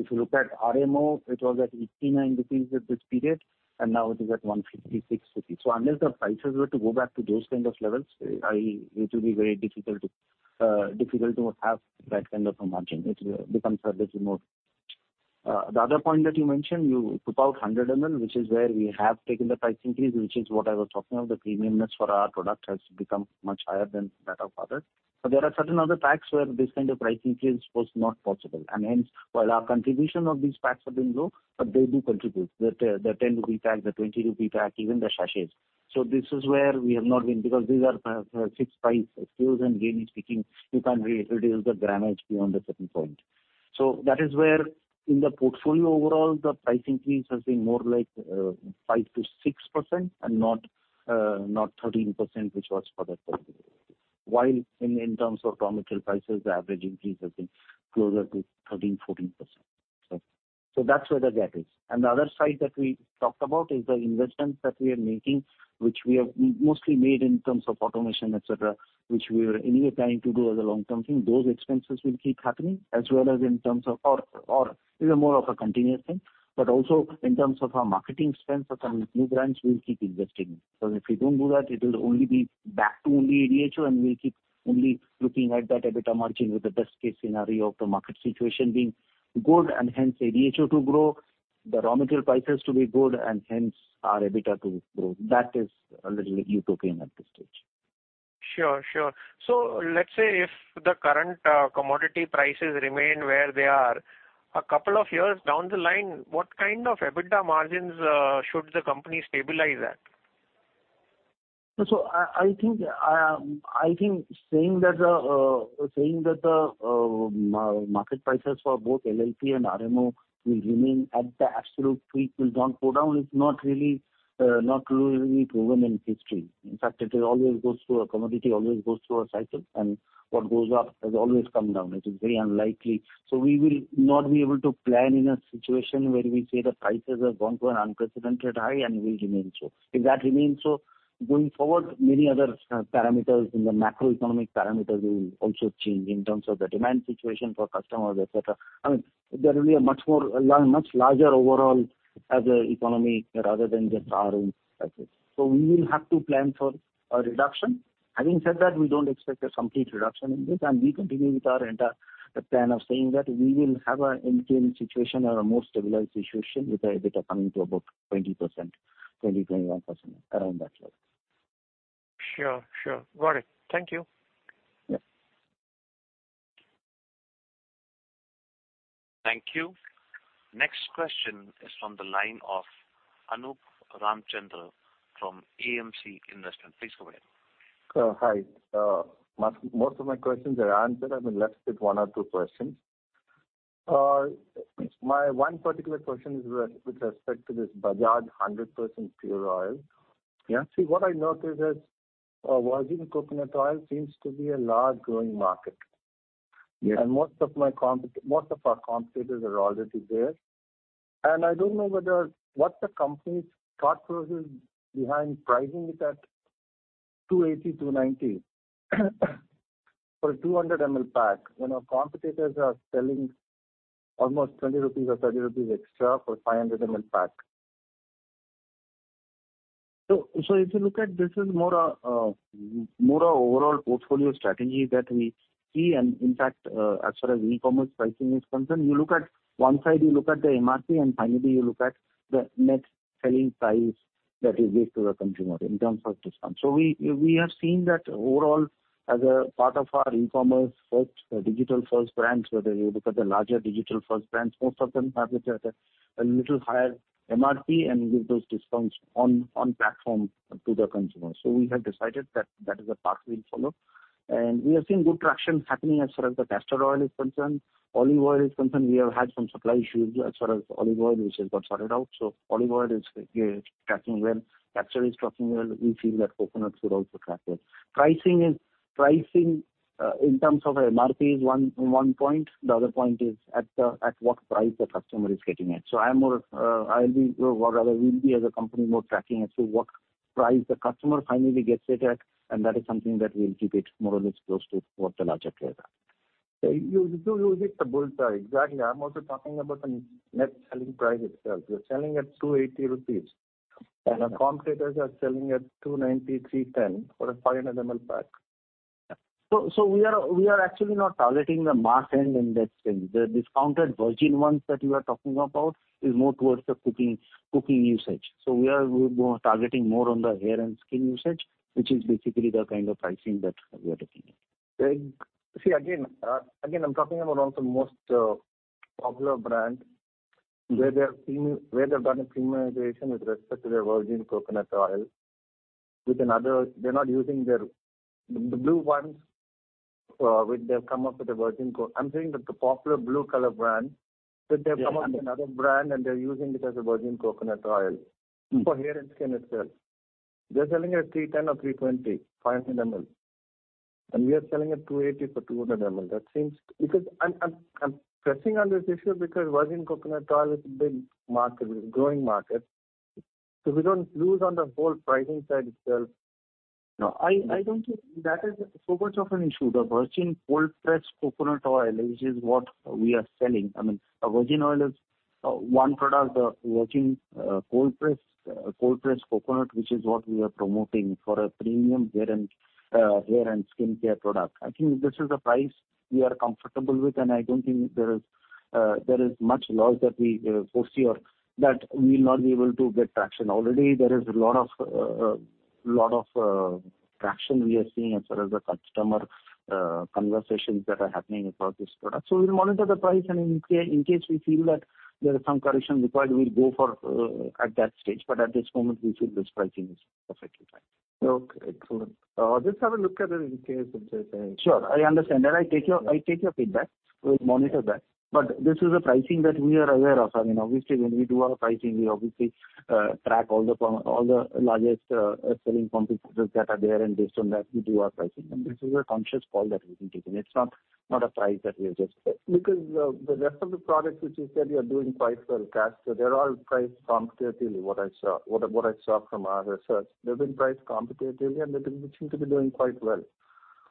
If you look at RMO, it was at 89 rupees at this period, and now it is at 156 rupees. Unless the prices were to go back to those kind of levels, it will be very difficult to have that kind of a margin. It will become slightly more. The other point that you mentioned, you put out 100 ml, which is where we have taken the price increase, which is what I was talking of. The premiumness for our product has become much higher than that of others. There are certain other packs where this kind of price increase was not possible. Hence, while our contribution of these packs have been low, but they do contribute. The 10 rupee pack, the 20 rupee pack, even the sachets. This is where we have not been, because these are fixed price SKUs, and generally speaking, you can't reduce the grammage beyond a certain point. That is where in the portfolio overall, the price increase has been more like 5%-6% and not 13%, which was for the whole, in terms of raw material prices, the average increase has been closer to 13%-14%. That's where the gap is. The other side that we talked about is the investments that we are making, which we have mostly made in terms of automation, et cetera, which we were anyway planning to do as a long-term thing. Those expenses will keep happening as well as in terms of, or is more of a continuous thing, but also in terms of our marketing spend for some new brands, we'll keep investing. Because if we don't do that, it'll only be back to only ADHO, and we'll keep only looking at that EBITDA margin with the best case scenario of the market situation being good and hence ADHO to grow, the raw material prices to be good, and hence our EBITDA to grow. That is a little bit utopian at this stage. Sure, sure. Let's say if the current commodity prices remain where they are, a couple of years down the line, what kind of EBITDA margins should the company stabilize at? I think saying that the market prices for both LLP and RMO will remain at the absolute peak, will not go down, it's not really proven in history. In fact, commodities always go through a cycle, and what goes up has always come down. It is very unlikely. We will not be able to plan in a situation where we say the prices have gone to an unprecedented high, and will remain so. If that remains so, going forward, many other macroeconomic parameters will also change in terms of the demand situation for customers, et cetera. I mean, there will be a much larger overall economy rather than just our own prices. We will have to plan for a reduction. Having said that, we don't expect a complete reduction in this, and we continue with our entire plan of saying that we will have a maintained situation or a more stabilized situation with our EBITDA coming to about 20%-21%, around that level. Sure, sure. Got it. Thank you. Yeah. Thank you. Next question is from the line of Anup Ramchandani from AMC Investment. Please go ahead. Hi. Most of my questions are answered. I'm left with one or two questions. My one particular question is with respect to this Bajaj 100% Pure oil. Yeah. See, what I noticed is, virgin coconut oil seems to be a large growing market. Yeah. Most of our competitors are already there. I don't know what the company's thought process behind pricing it at 280-290 for a 200 ml pack when our competitors are selling almost 20 rupees or 30 rupees extra for 500 ml pack. If you look at, this is more of a overall portfolio strategy that we see. In fact, as far as e-commerce pricing is concerned, you look at one side, you look at the MRP, and finally you look at the net selling price that is given to the consumer in terms of discount. We have seen that overall as a part of our e-commerce first, digital first brands, whether you look at the larger digital first brands, most of them have a little higher MRP and give those discounts on platform to the consumer. We have decided that is the path we'll follow. We have seen good traction happening as far as the castor oil is concerned. As far as olive oil is concerned, we have had some supply issues as far as olive oil, which has got sorted out. Olive oil is tracking well. Castor is tracking well. We feel that coconut should also track well. Pricing is in terms of MRP is one point. The other point is at what price the customer is getting it. We'll be as a company more tracking as to what price the customer finally gets it at, and that is something that we'll keep it more or less close to what the larger players are. You hit the bull's eye. Exactly. I'm also talking about the net selling price itself. You're selling at 280 rupees. Yeah. Our competitors are selling at 290-310 for a 500 ml pack. Yeah. We are actually not targeting the mass end in that sense. The discounted virgin ones that you are talking about is more towards the cooking usage. We are more targeting more on the hair and skin usage, which is basically the kind of pricing that we are looking at. See, again, I'm talking about one of the most popular brand where they've done a premiumization with respect to their virgin coconut oil. With another. They're not using their. The blue ones, which they've come up with. I'm saying that the popular blue color brand, that they've come up with another brand and they're using it as a virgin coconut oil. Mm-hmm. For hair and skin itself. They're selling at 310 or 320, 500 ml. We are selling at 280 for 200 ml. That seems. Because I'm pressing on this issue because virgin coconut oil is a big market, a growing market. We don't lose on the whole pricing side itself. No, I don't think that is so much of an issue. The virgin cold pressed coconut oil, which is what we are selling. I mean, a virgin oil is one product, the virgin cold pressed coconut which is what we are promoting for a premium hair and skincare product. I think this is the price we are comfortable with, and I don't think there is much loss that we foresee or that we'll not be able to get traction. Already there is a lot of traction we are seeing as far as the customer conversations that are happening about this product. We'll monitor the price and in case we feel that there is some correction required, we'll go for at that stage. At this moment, we feel this pricing is perfectly fine. Okay. Excellent. Just have a look at it in case it is. Sure, I understand. I take your feedback. We'll monitor that. This is a pricing that we are aware of. I mean, obviously when we do our pricing, we obviously track all the largest selling competitors that are there, and based on that we do our pricing. This is a conscious call that we have taken. It's not a price that we have just. Because the rest of the products which you said you are doing quite well, castor, they're all priced competitively, what I saw. What I saw from our research. They've been priced competitively, and they seem to be doing quite well.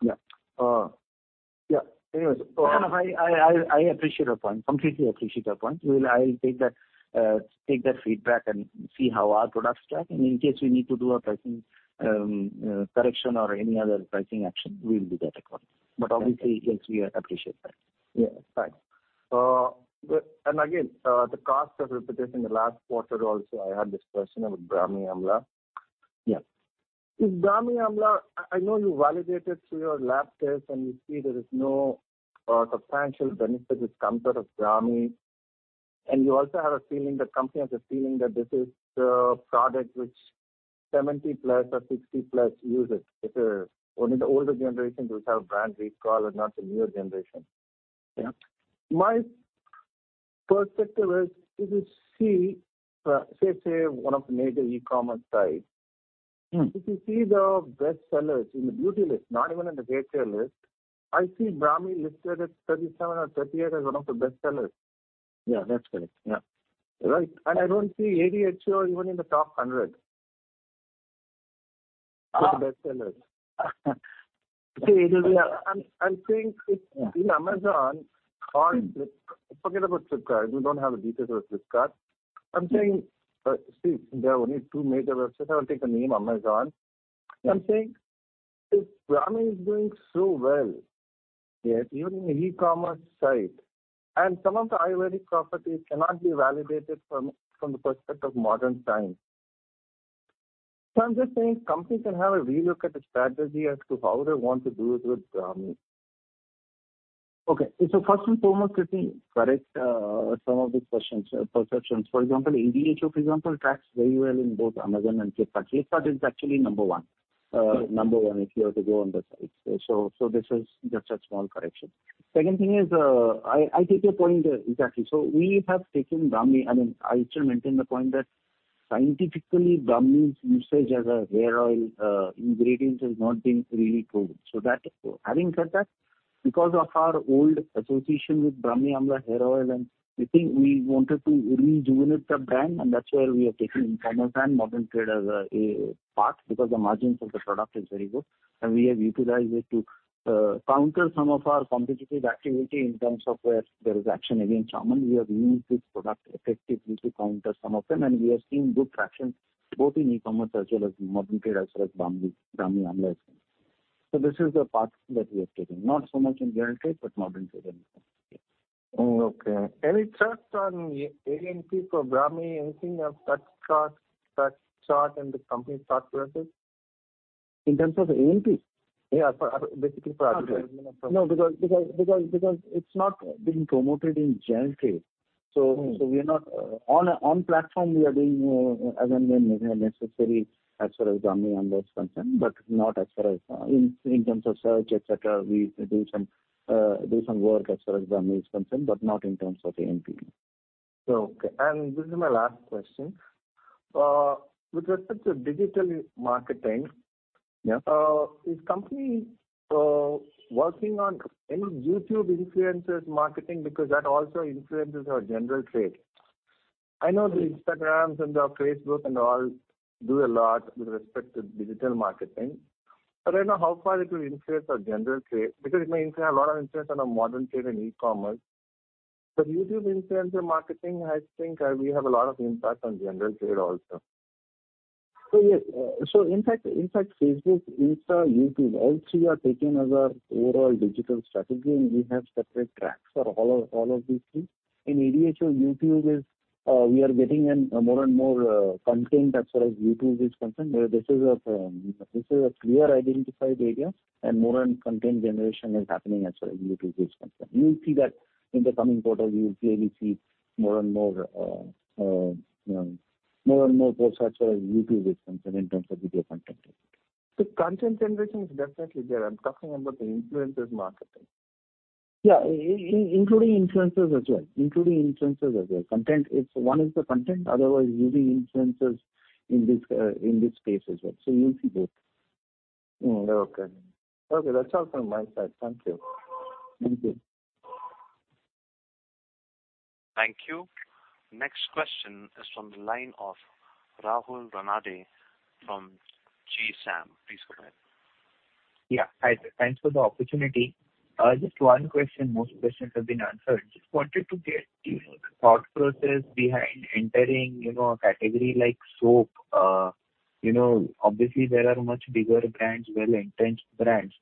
Yeah. Yeah. Anyways. No, I appreciate your point. Completely appreciate your point. I'll take that feedback and see how our products track. In case we need to do a pricing correction or any other pricing action, we'll do that accordingly. Obviously, yes, we appreciate that. Yeah. Thanks. Again, the cost of repetition. The last quarter also I had this question about Brahmi Amla. Yeah. This Brahmi Amla, I know you validate it through your lab tests and you see there is no substantial benefit which comes out of Brahmi. You also have a feeling, the company has a feeling that this is the product which 70+ or 60+ use it. Only the older generation will have brand recall and not the newer generation. Yeah. My perspective is, if you see, say one of the major e-commerce sites. Mm-hmm. If you see the bestsellers in the beauty list, not even in the hair care list, I see Brahmi listed at 37 or 38 as one of the bestsellers. Yeah, that's correct. Yeah. Right. I don't see ADHO even in the top hundred. Uh. The bestsellers. See, it'll be. I'm saying if- Yeah. Forget about Flipkart. We don't have the details of Flipkart. Yeah. I'm saying, see, there are only two major websites. I will take the name Amazon. I'm saying if Brahmi is doing so well. Yes Even in the e-commerce site, and some of the Ayurvedic properties cannot be validated from the perspective of modern science. I'm just saying company can have a relook at the strategy as to how they want to do it with Brahmi. Okay. First and foremost, let me correct some of these questions, perceptions. For example, ADHO, for example, tracks very well in both Amazon and Flipkart. Flipkart is actually number one. Okay. Number one, if you have to go on the site. This is just a small correction. Second thing is, I take your point exactly. We have taken Brahmi. I mean, I actually maintain the point that scientifically Brahmi's usage as a hair oil ingredient has not been really proven. Having said that, because of our old association with Brahmi Amla Hair Oil and we think we wanted to rejuvenate the brand, and that's where we have taken e-commerce and modern trade as a path because the margins of the product is very good and we have utilized it to counter some of our competitive activity in terms of where there is action against Aarohan. We have used this product effectively to counter some of them, and we are seeing good traction both in e-commerce as well as modern trade as well as Brahmi Amla itself. This is the path that we are taking. Not so much in general trade, but modern trade and e-commerce. Okay. Any thrust on A&P for Brahmi? Anything of that sort and the company's thought process? In terms of A&P? Yeah. Basically for No, because it's not being promoted in general trade. Mm-hmm. We are not on a platform. We are doing as and when necessary as far as Brahmi Amla is concerned, but not as far as in terms of search, et cetera. We do some work as far as Brahmi is concerned, but not in terms of A&P. Okay. This is my last question. With respect to digital marketing. Yeah. Is company working on any YouTube influencers marketing because that also influences our general trade. I know the Instagrams and the Facebook and all do a lot with respect to digital marketing, but I don't know how far it will influence our general trade. It may have a lot of influence on our modern trade and e-commerce. YouTube influencer marketing, I think, will have a lot of impact on general trade also. Yes, in fact, Facebook, Insta, YouTube, all three are taken as our overall digital strategy, and we have separate tracks for all of these three. In ADHO, YouTube is we are getting in more and more content as far as YouTube is concerned. This is a clearly identified area and more content generation is happening as far as YouTube is concerned. You'll see that in the coming quarters. You'll clearly see more and more, you know, more and more posts as far as YouTube is concerned in terms of video content. Content generation is definitely there. I'm talking about the influencer marketing. Yeah. Including influencers as well. Content is. One is the content, otherwise using influencers in this space as well. You'll see both. Okay, that's all from my side. Thank you. Thank you. Thank you. Next question is from the line of Rahul Ranade from G Sachs. Please go ahead. Yeah. Hi. Thanks for the opportunity. Just one question. Most questions have been answered. Just wanted to get, you know, the thought process behind entering, you know, a category like soap. You know, obviously there are much bigger brands, well-entrenched brands.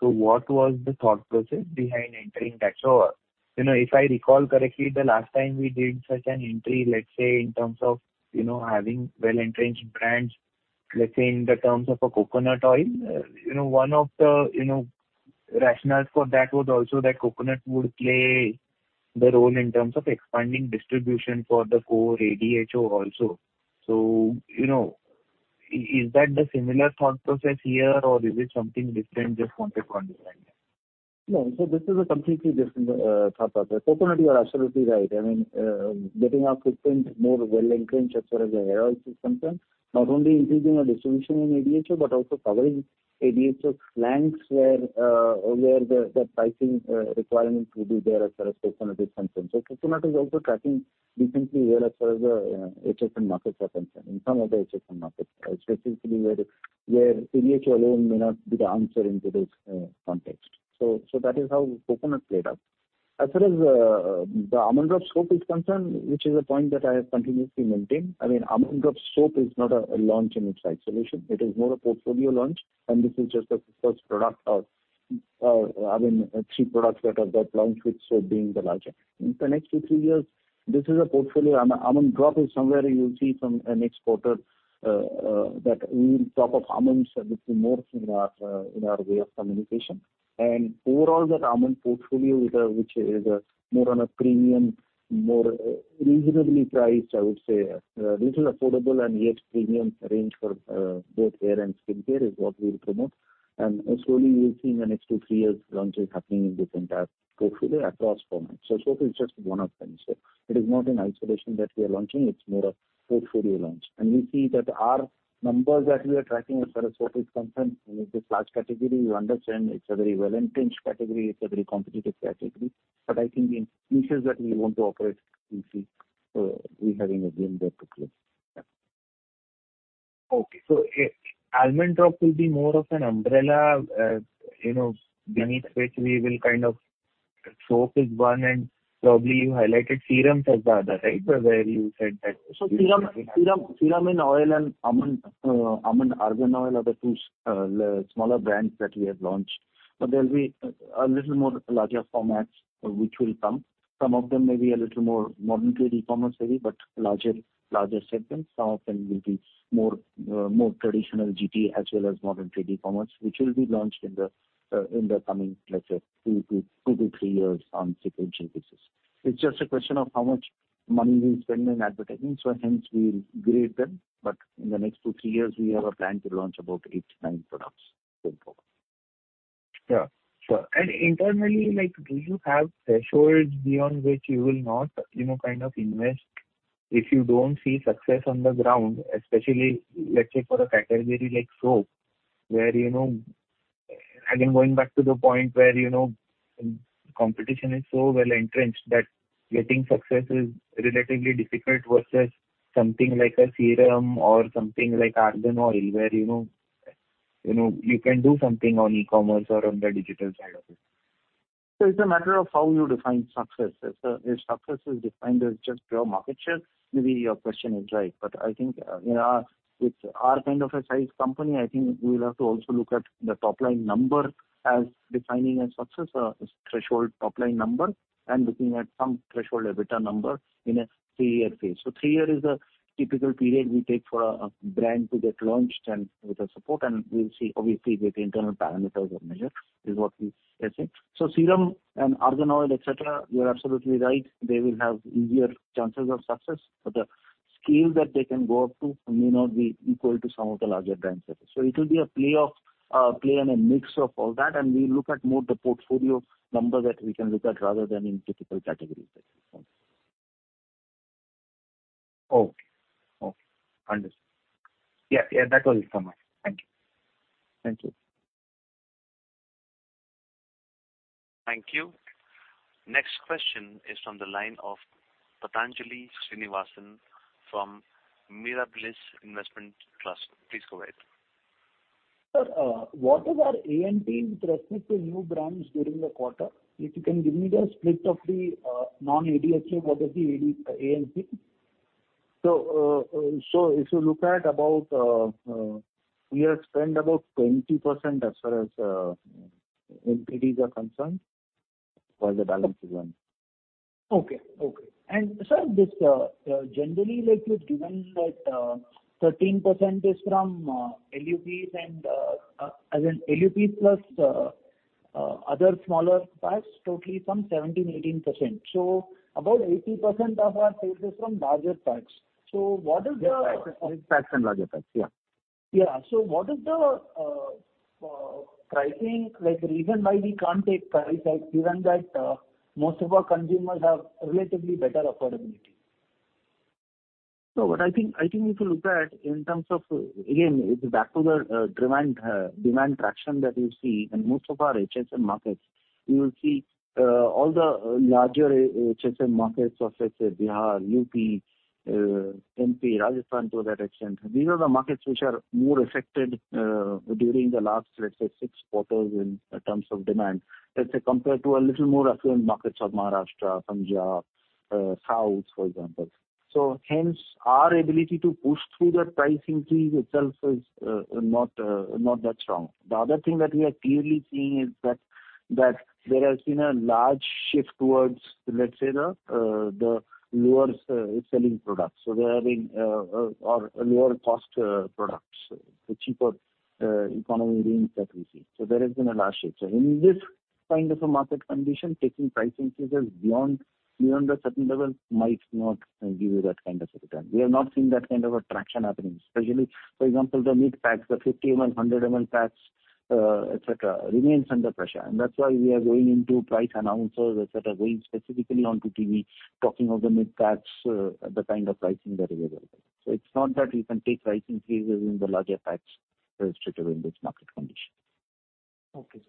What was the thought process behind entering that? You know, if I recall correctly, the last time we did such an entry, let's say in terms of, you know, having well-entrenched brands, let's say in the terms of a coconut oil, you know, one of the, you know, rationales for that was also that coconut would play the role in terms of expanding distribution for the core ADHO also. You know, is that the similar thought process here, or is it something different? Just wanted to understand that. No. This is a completely different thought process. Coconut, you are absolutely right. I mean, getting our footprint more well-entrenched as far as the hair oil is concerned, not only increasing our distribution in ADHO, but also covering ADHO flanks where the pricing requirement will be there as far as Coconut is concerned. Coconut is also tracking decently well as far as HSM markets are concerned. In some of the HSM markets, specifically where ADHO alone may not be the answer in today's context. That is how Coconut played out. As far as the Almond Drops soap is concerned, which is a point that I have continuously maintained, I mean, Almond Drops soap is not a launch in its isolation. It is more a portfolio launch, and this is just the first product of, I mean, three products that have got launched with soap being the largest. In the next two, three years, this is a portfolio. Almond Drops is somewhere you'll see from in next quarter that we will talk of almonds a little more in our way of communication. Overall that almond portfolio which is more on a premium, more reasonably priced, I would say, little affordable and yet premium range for both hair and skincare is what we'll promote. Slowly you'll see in the next two, three years launches happening in different portfolio across formats. Soap is just one of them. It is not in isolation that we are launching. It's more a portfolio launch. We see that our numbers that we are tracking as far as soap is concerned, I mean, it's a large category. You understand it's a very well-entrenched category. It's a very competitive category, but I think the initiatives that we want to operate, we'll see, we having a room there to play. Yeah. Okay. Almond Drops will be more of an umbrella, you know, beneath which we will kind of soap is one, and probably you highlighted serums as the other, right? Where you said that. Serum and Almond Argan Oil are the two smaller brands that we have launched. There'll be a little more larger formats which will come. Some of them may be a little more modern trade, e-commerce heavy, but larger segments. Some of them will be more traditional GT as well as modern trade, e-commerce, which will be launched in the coming, let's say, two-three years on sequential basis. It's just a question of how much money we spend in advertising, so hence we'll grade them. In the next two-three years, we have a plan to launch about eight-nine products going forward. Yeah. Internally, like, do you have thresholds beyond which you will not, you know, kind of invest if you don't see success on the ground? Especially, let's say for a category like soap where, you know, competition is so well-entrenched that getting success is relatively difficult versus something like a serum or something like argan oil where, you know, you can do something on e-commerce or on the digital side of it. It's a matter of how you define success. If success is defined as just pure market share, maybe your question is right. But I think, with our kind of a sized company, I think we'll have to also look at the top line number as defining a success, threshold top line number and looking at some threshold EBITDA number in a three-year phase. Three-year is the typical period we take for a brand to get launched and with the support, and we'll see obviously with internal parameters of measure is what we are saying. Serum and Argan Oil, et cetera, you're absolutely right, they will have easier chances of success. But the scale that they can go up to may not be equal to some of the larger brands that we have. It'll be a play and a mix of all that, and we look at more the portfolio number that we can look at rather than in typical categories that we have. Okay. Understood. Yeah, that was it from us. Thank you. Thank you. Thank you. Next question is from the line of Pranjal Garg from Mirabilis Investment Trust. Please go ahead. Sir, what is our A&P with respect to new brands during the quarter? If you can give me the split of the non-ADHO versus ADHO A&P. If you look at about, we have spent about 20% as far as A&Ps are concerned, while the balance is one. Okay. Sir, this generally, like you've given that 13% is from LUPs and as in LUP plus other smaller packs totally some 17%, 18%. About 80% of our sales is from larger packs. What is the Yes. Packs and larger packs. Yeah. Yeah. What is the pricing, like, reason why we can't take price hike given that most of our consumers have relatively better affordability? No, I think if you look at in terms of, again, it's back to the demand traction that you see in most of our HSM markets. You will see all the larger HSM markets of, let's say, Bihar, UP, MP, Rajasthan to that extent. These are the markets which are more affected during the last, let's say, six quarters in terms of demand. Let's say compared to a little more affluent markets of Maharashtra, Punjab, South, for example. Hence our ability to push through the pricing increase itself is not that strong. The other thing that we are clearly seeing is that there has been a large shift towards, let's say, the lower selling products. There have been lower cost products, the cheaper economy range that we see. There has been a large shift. In this kind of a market condition, taking price increases beyond a certain level might not give you that kind of a return. We are not seeing that kind of a traction happening, especially for example, the mid packs, the 50 ml, 100 ml packs, etc., remain under pressure. That's why we are going into price announcements, etc., going specifically onto TV, talking of the mid packs, the kind of pricing that is available. It's not that we can take price increases in the larger packs, strictly in this market condition. Okay.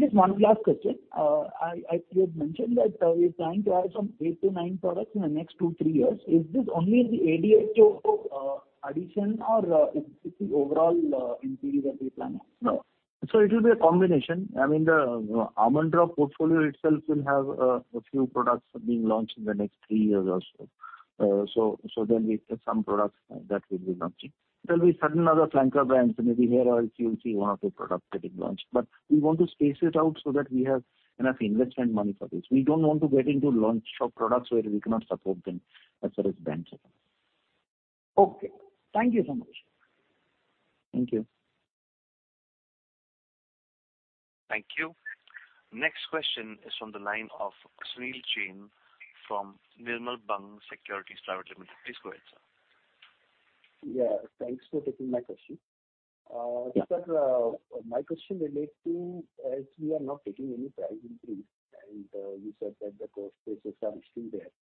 Just one last question. You had mentioned that we're planning to add some eight-nine products in the next two-three years. Is this only the ADHO addition or is this the overall NPD that we're planning? No. It will be a combination. I mean, the Almond Drops portfolio itself will have a few products being launched in the next three years or so. We have some products that we'll be launching. There'll be certain other flanker brands, maybe here or you'll see one or two products getting launched. We want to space it out so that we have enough investment money for this. We don't want to get into launch of products where we cannot support them as far as brands are concerned. Okay. Thank you so much. Thank you. Thank you. Next question is from the line of Sunil Jain from Nirmal Bang Securities Private Limited. Please go ahead, sir. Yeah, thanks for taking my question. Yeah. Sir, my question relates to as we are not taking any price increase, and you said that the cost pressures are still there.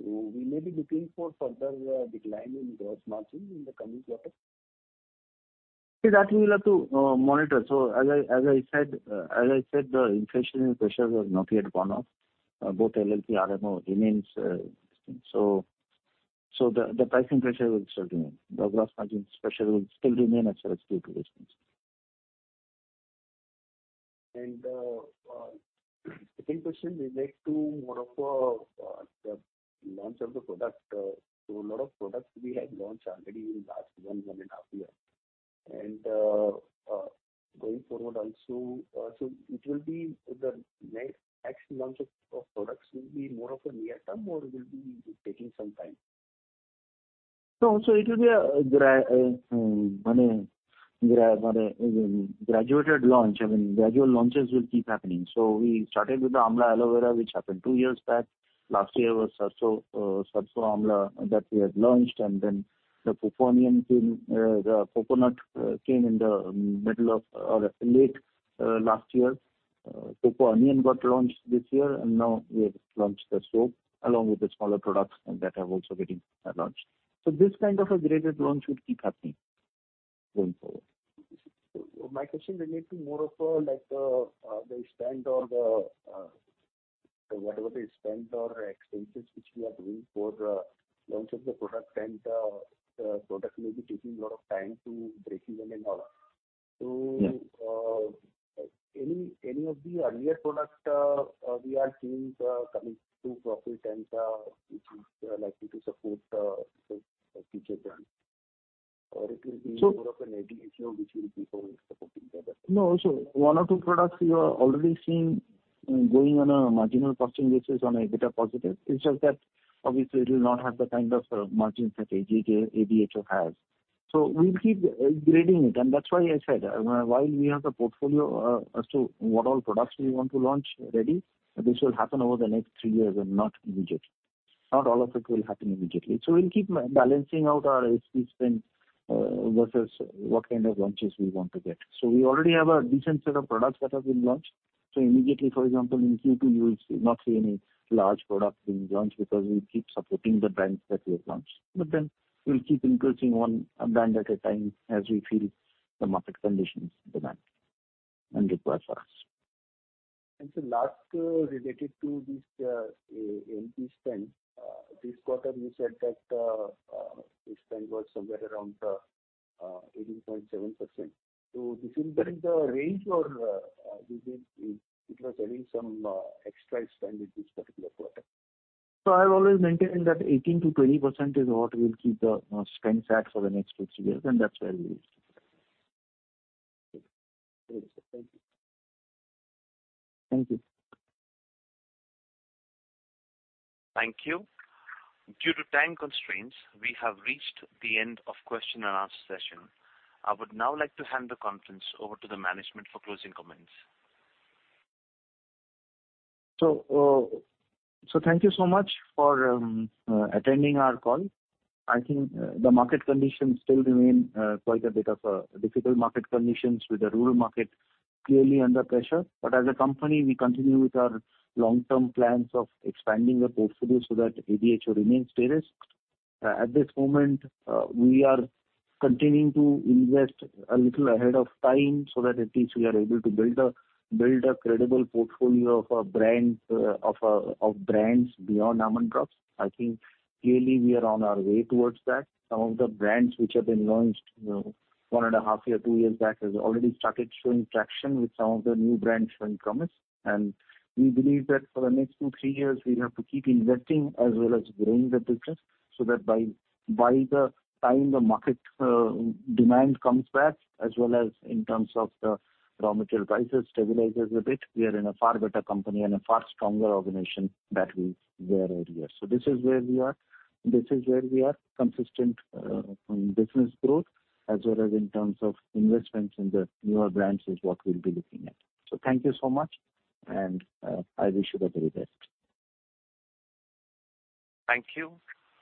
We may be looking for further decline in gross margin in the coming quarter? See, that we'll have to monitor. As I said, the inflationary pressures have not yet gone off. Both LLP, RMO remains. The pricing pressure will still remain. The gross margin pressure will still remain as far as Q2 is concerned. Second question relates to more of the launch of the product. A lot of products we had launched already in last one and half year. Going forward also, the next launch of products will be more of a near term or it will be taking some time? No. It will be a graduated launch. I mean, gradual launches will keep happening. We started with the Amla Aloe Vera, which happened two years back. Last year was Sarso Amla that we had launched, and then the Coco Onion came in the middle of or late last year. Coco Onion got launched this year, and now we have launched the soap along with the smaller products that are also getting launched. This kind of a graded launch should keep happening going forward. My question relates to more of like the spend or whatever they spend or expenses which we are doing for launch of the product and product may be taking a lot of time to break even and all. Yeah. Any of the earlier product we are seeing coming to profit and which is likely to support the future plan? Or it will be- So- More of an ADHO which will be supporting the other. No. One or two products we are already seeing going on a marginal costing basis on EBITDA positive. It's just that obviously it will not have the kind of margins that ADHO has. We'll keep grading it, and that's why I said while we have the portfolio as to what all products we want to launch ready, this will happen over the next three years and not immediately. Not all of it will happen immediately. We'll keep balancing out our A&P spend versus what kind of launches we want to get. We already have a decent set of products that have been launched. Immediately, for example, in Q2, you will not see any large products being launched because we keep supporting the brands that we have launched. We'll keep introducing one brand at a time as we feel the market conditions demand and require for us. Lastly related to this A&P spend this quarter you said that the spend was somewhere around 18.7%. Is this within the range or this is it was having some extra spend in this particular quarter? I've always maintained that 18%-20% is what will keep the spend cap for the next two-three years, and that's where we used it. Okay. Thank you, sir. Thank you. Thank you. Thank you. Due to time constraints, we have reached the end of question and answer session. I would now like to hand the conference over to the management for closing comments. Thank you so much for attending our call. I think the market conditions still remain quite a bit of a difficult market conditions with the rural market clearly under pressure. As a company, we continue with our long-term plans of expanding the portfolio so that ADHO remains steadfast. At this moment, we are continuing to invest a little ahead of time so that at least we are able to build a credible portfolio of our brands, of brands beyond Almond Drops. I think clearly we are on our way towards that. Some of the brands which have been launched, you know, one and a half years, two years back, has already started showing traction with some of the new brands showing promise. We believe that for the next two-three years, we have to keep investing as well as growing the business so that by the time the market demand comes back, as well as in terms of the raw material prices stabilizes a bit, we are in a far better company and a far stronger organization that we were earlier. This is where we are. Consistent business growth as well as in terms of investments in the newer brands is what we'll be looking at. Thank you so much, and I wish you the very best. Thank you.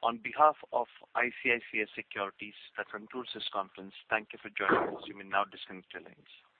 On behalf of ICICI Securities that run through this conference, thank you for joining us. You may now disconnect your lines.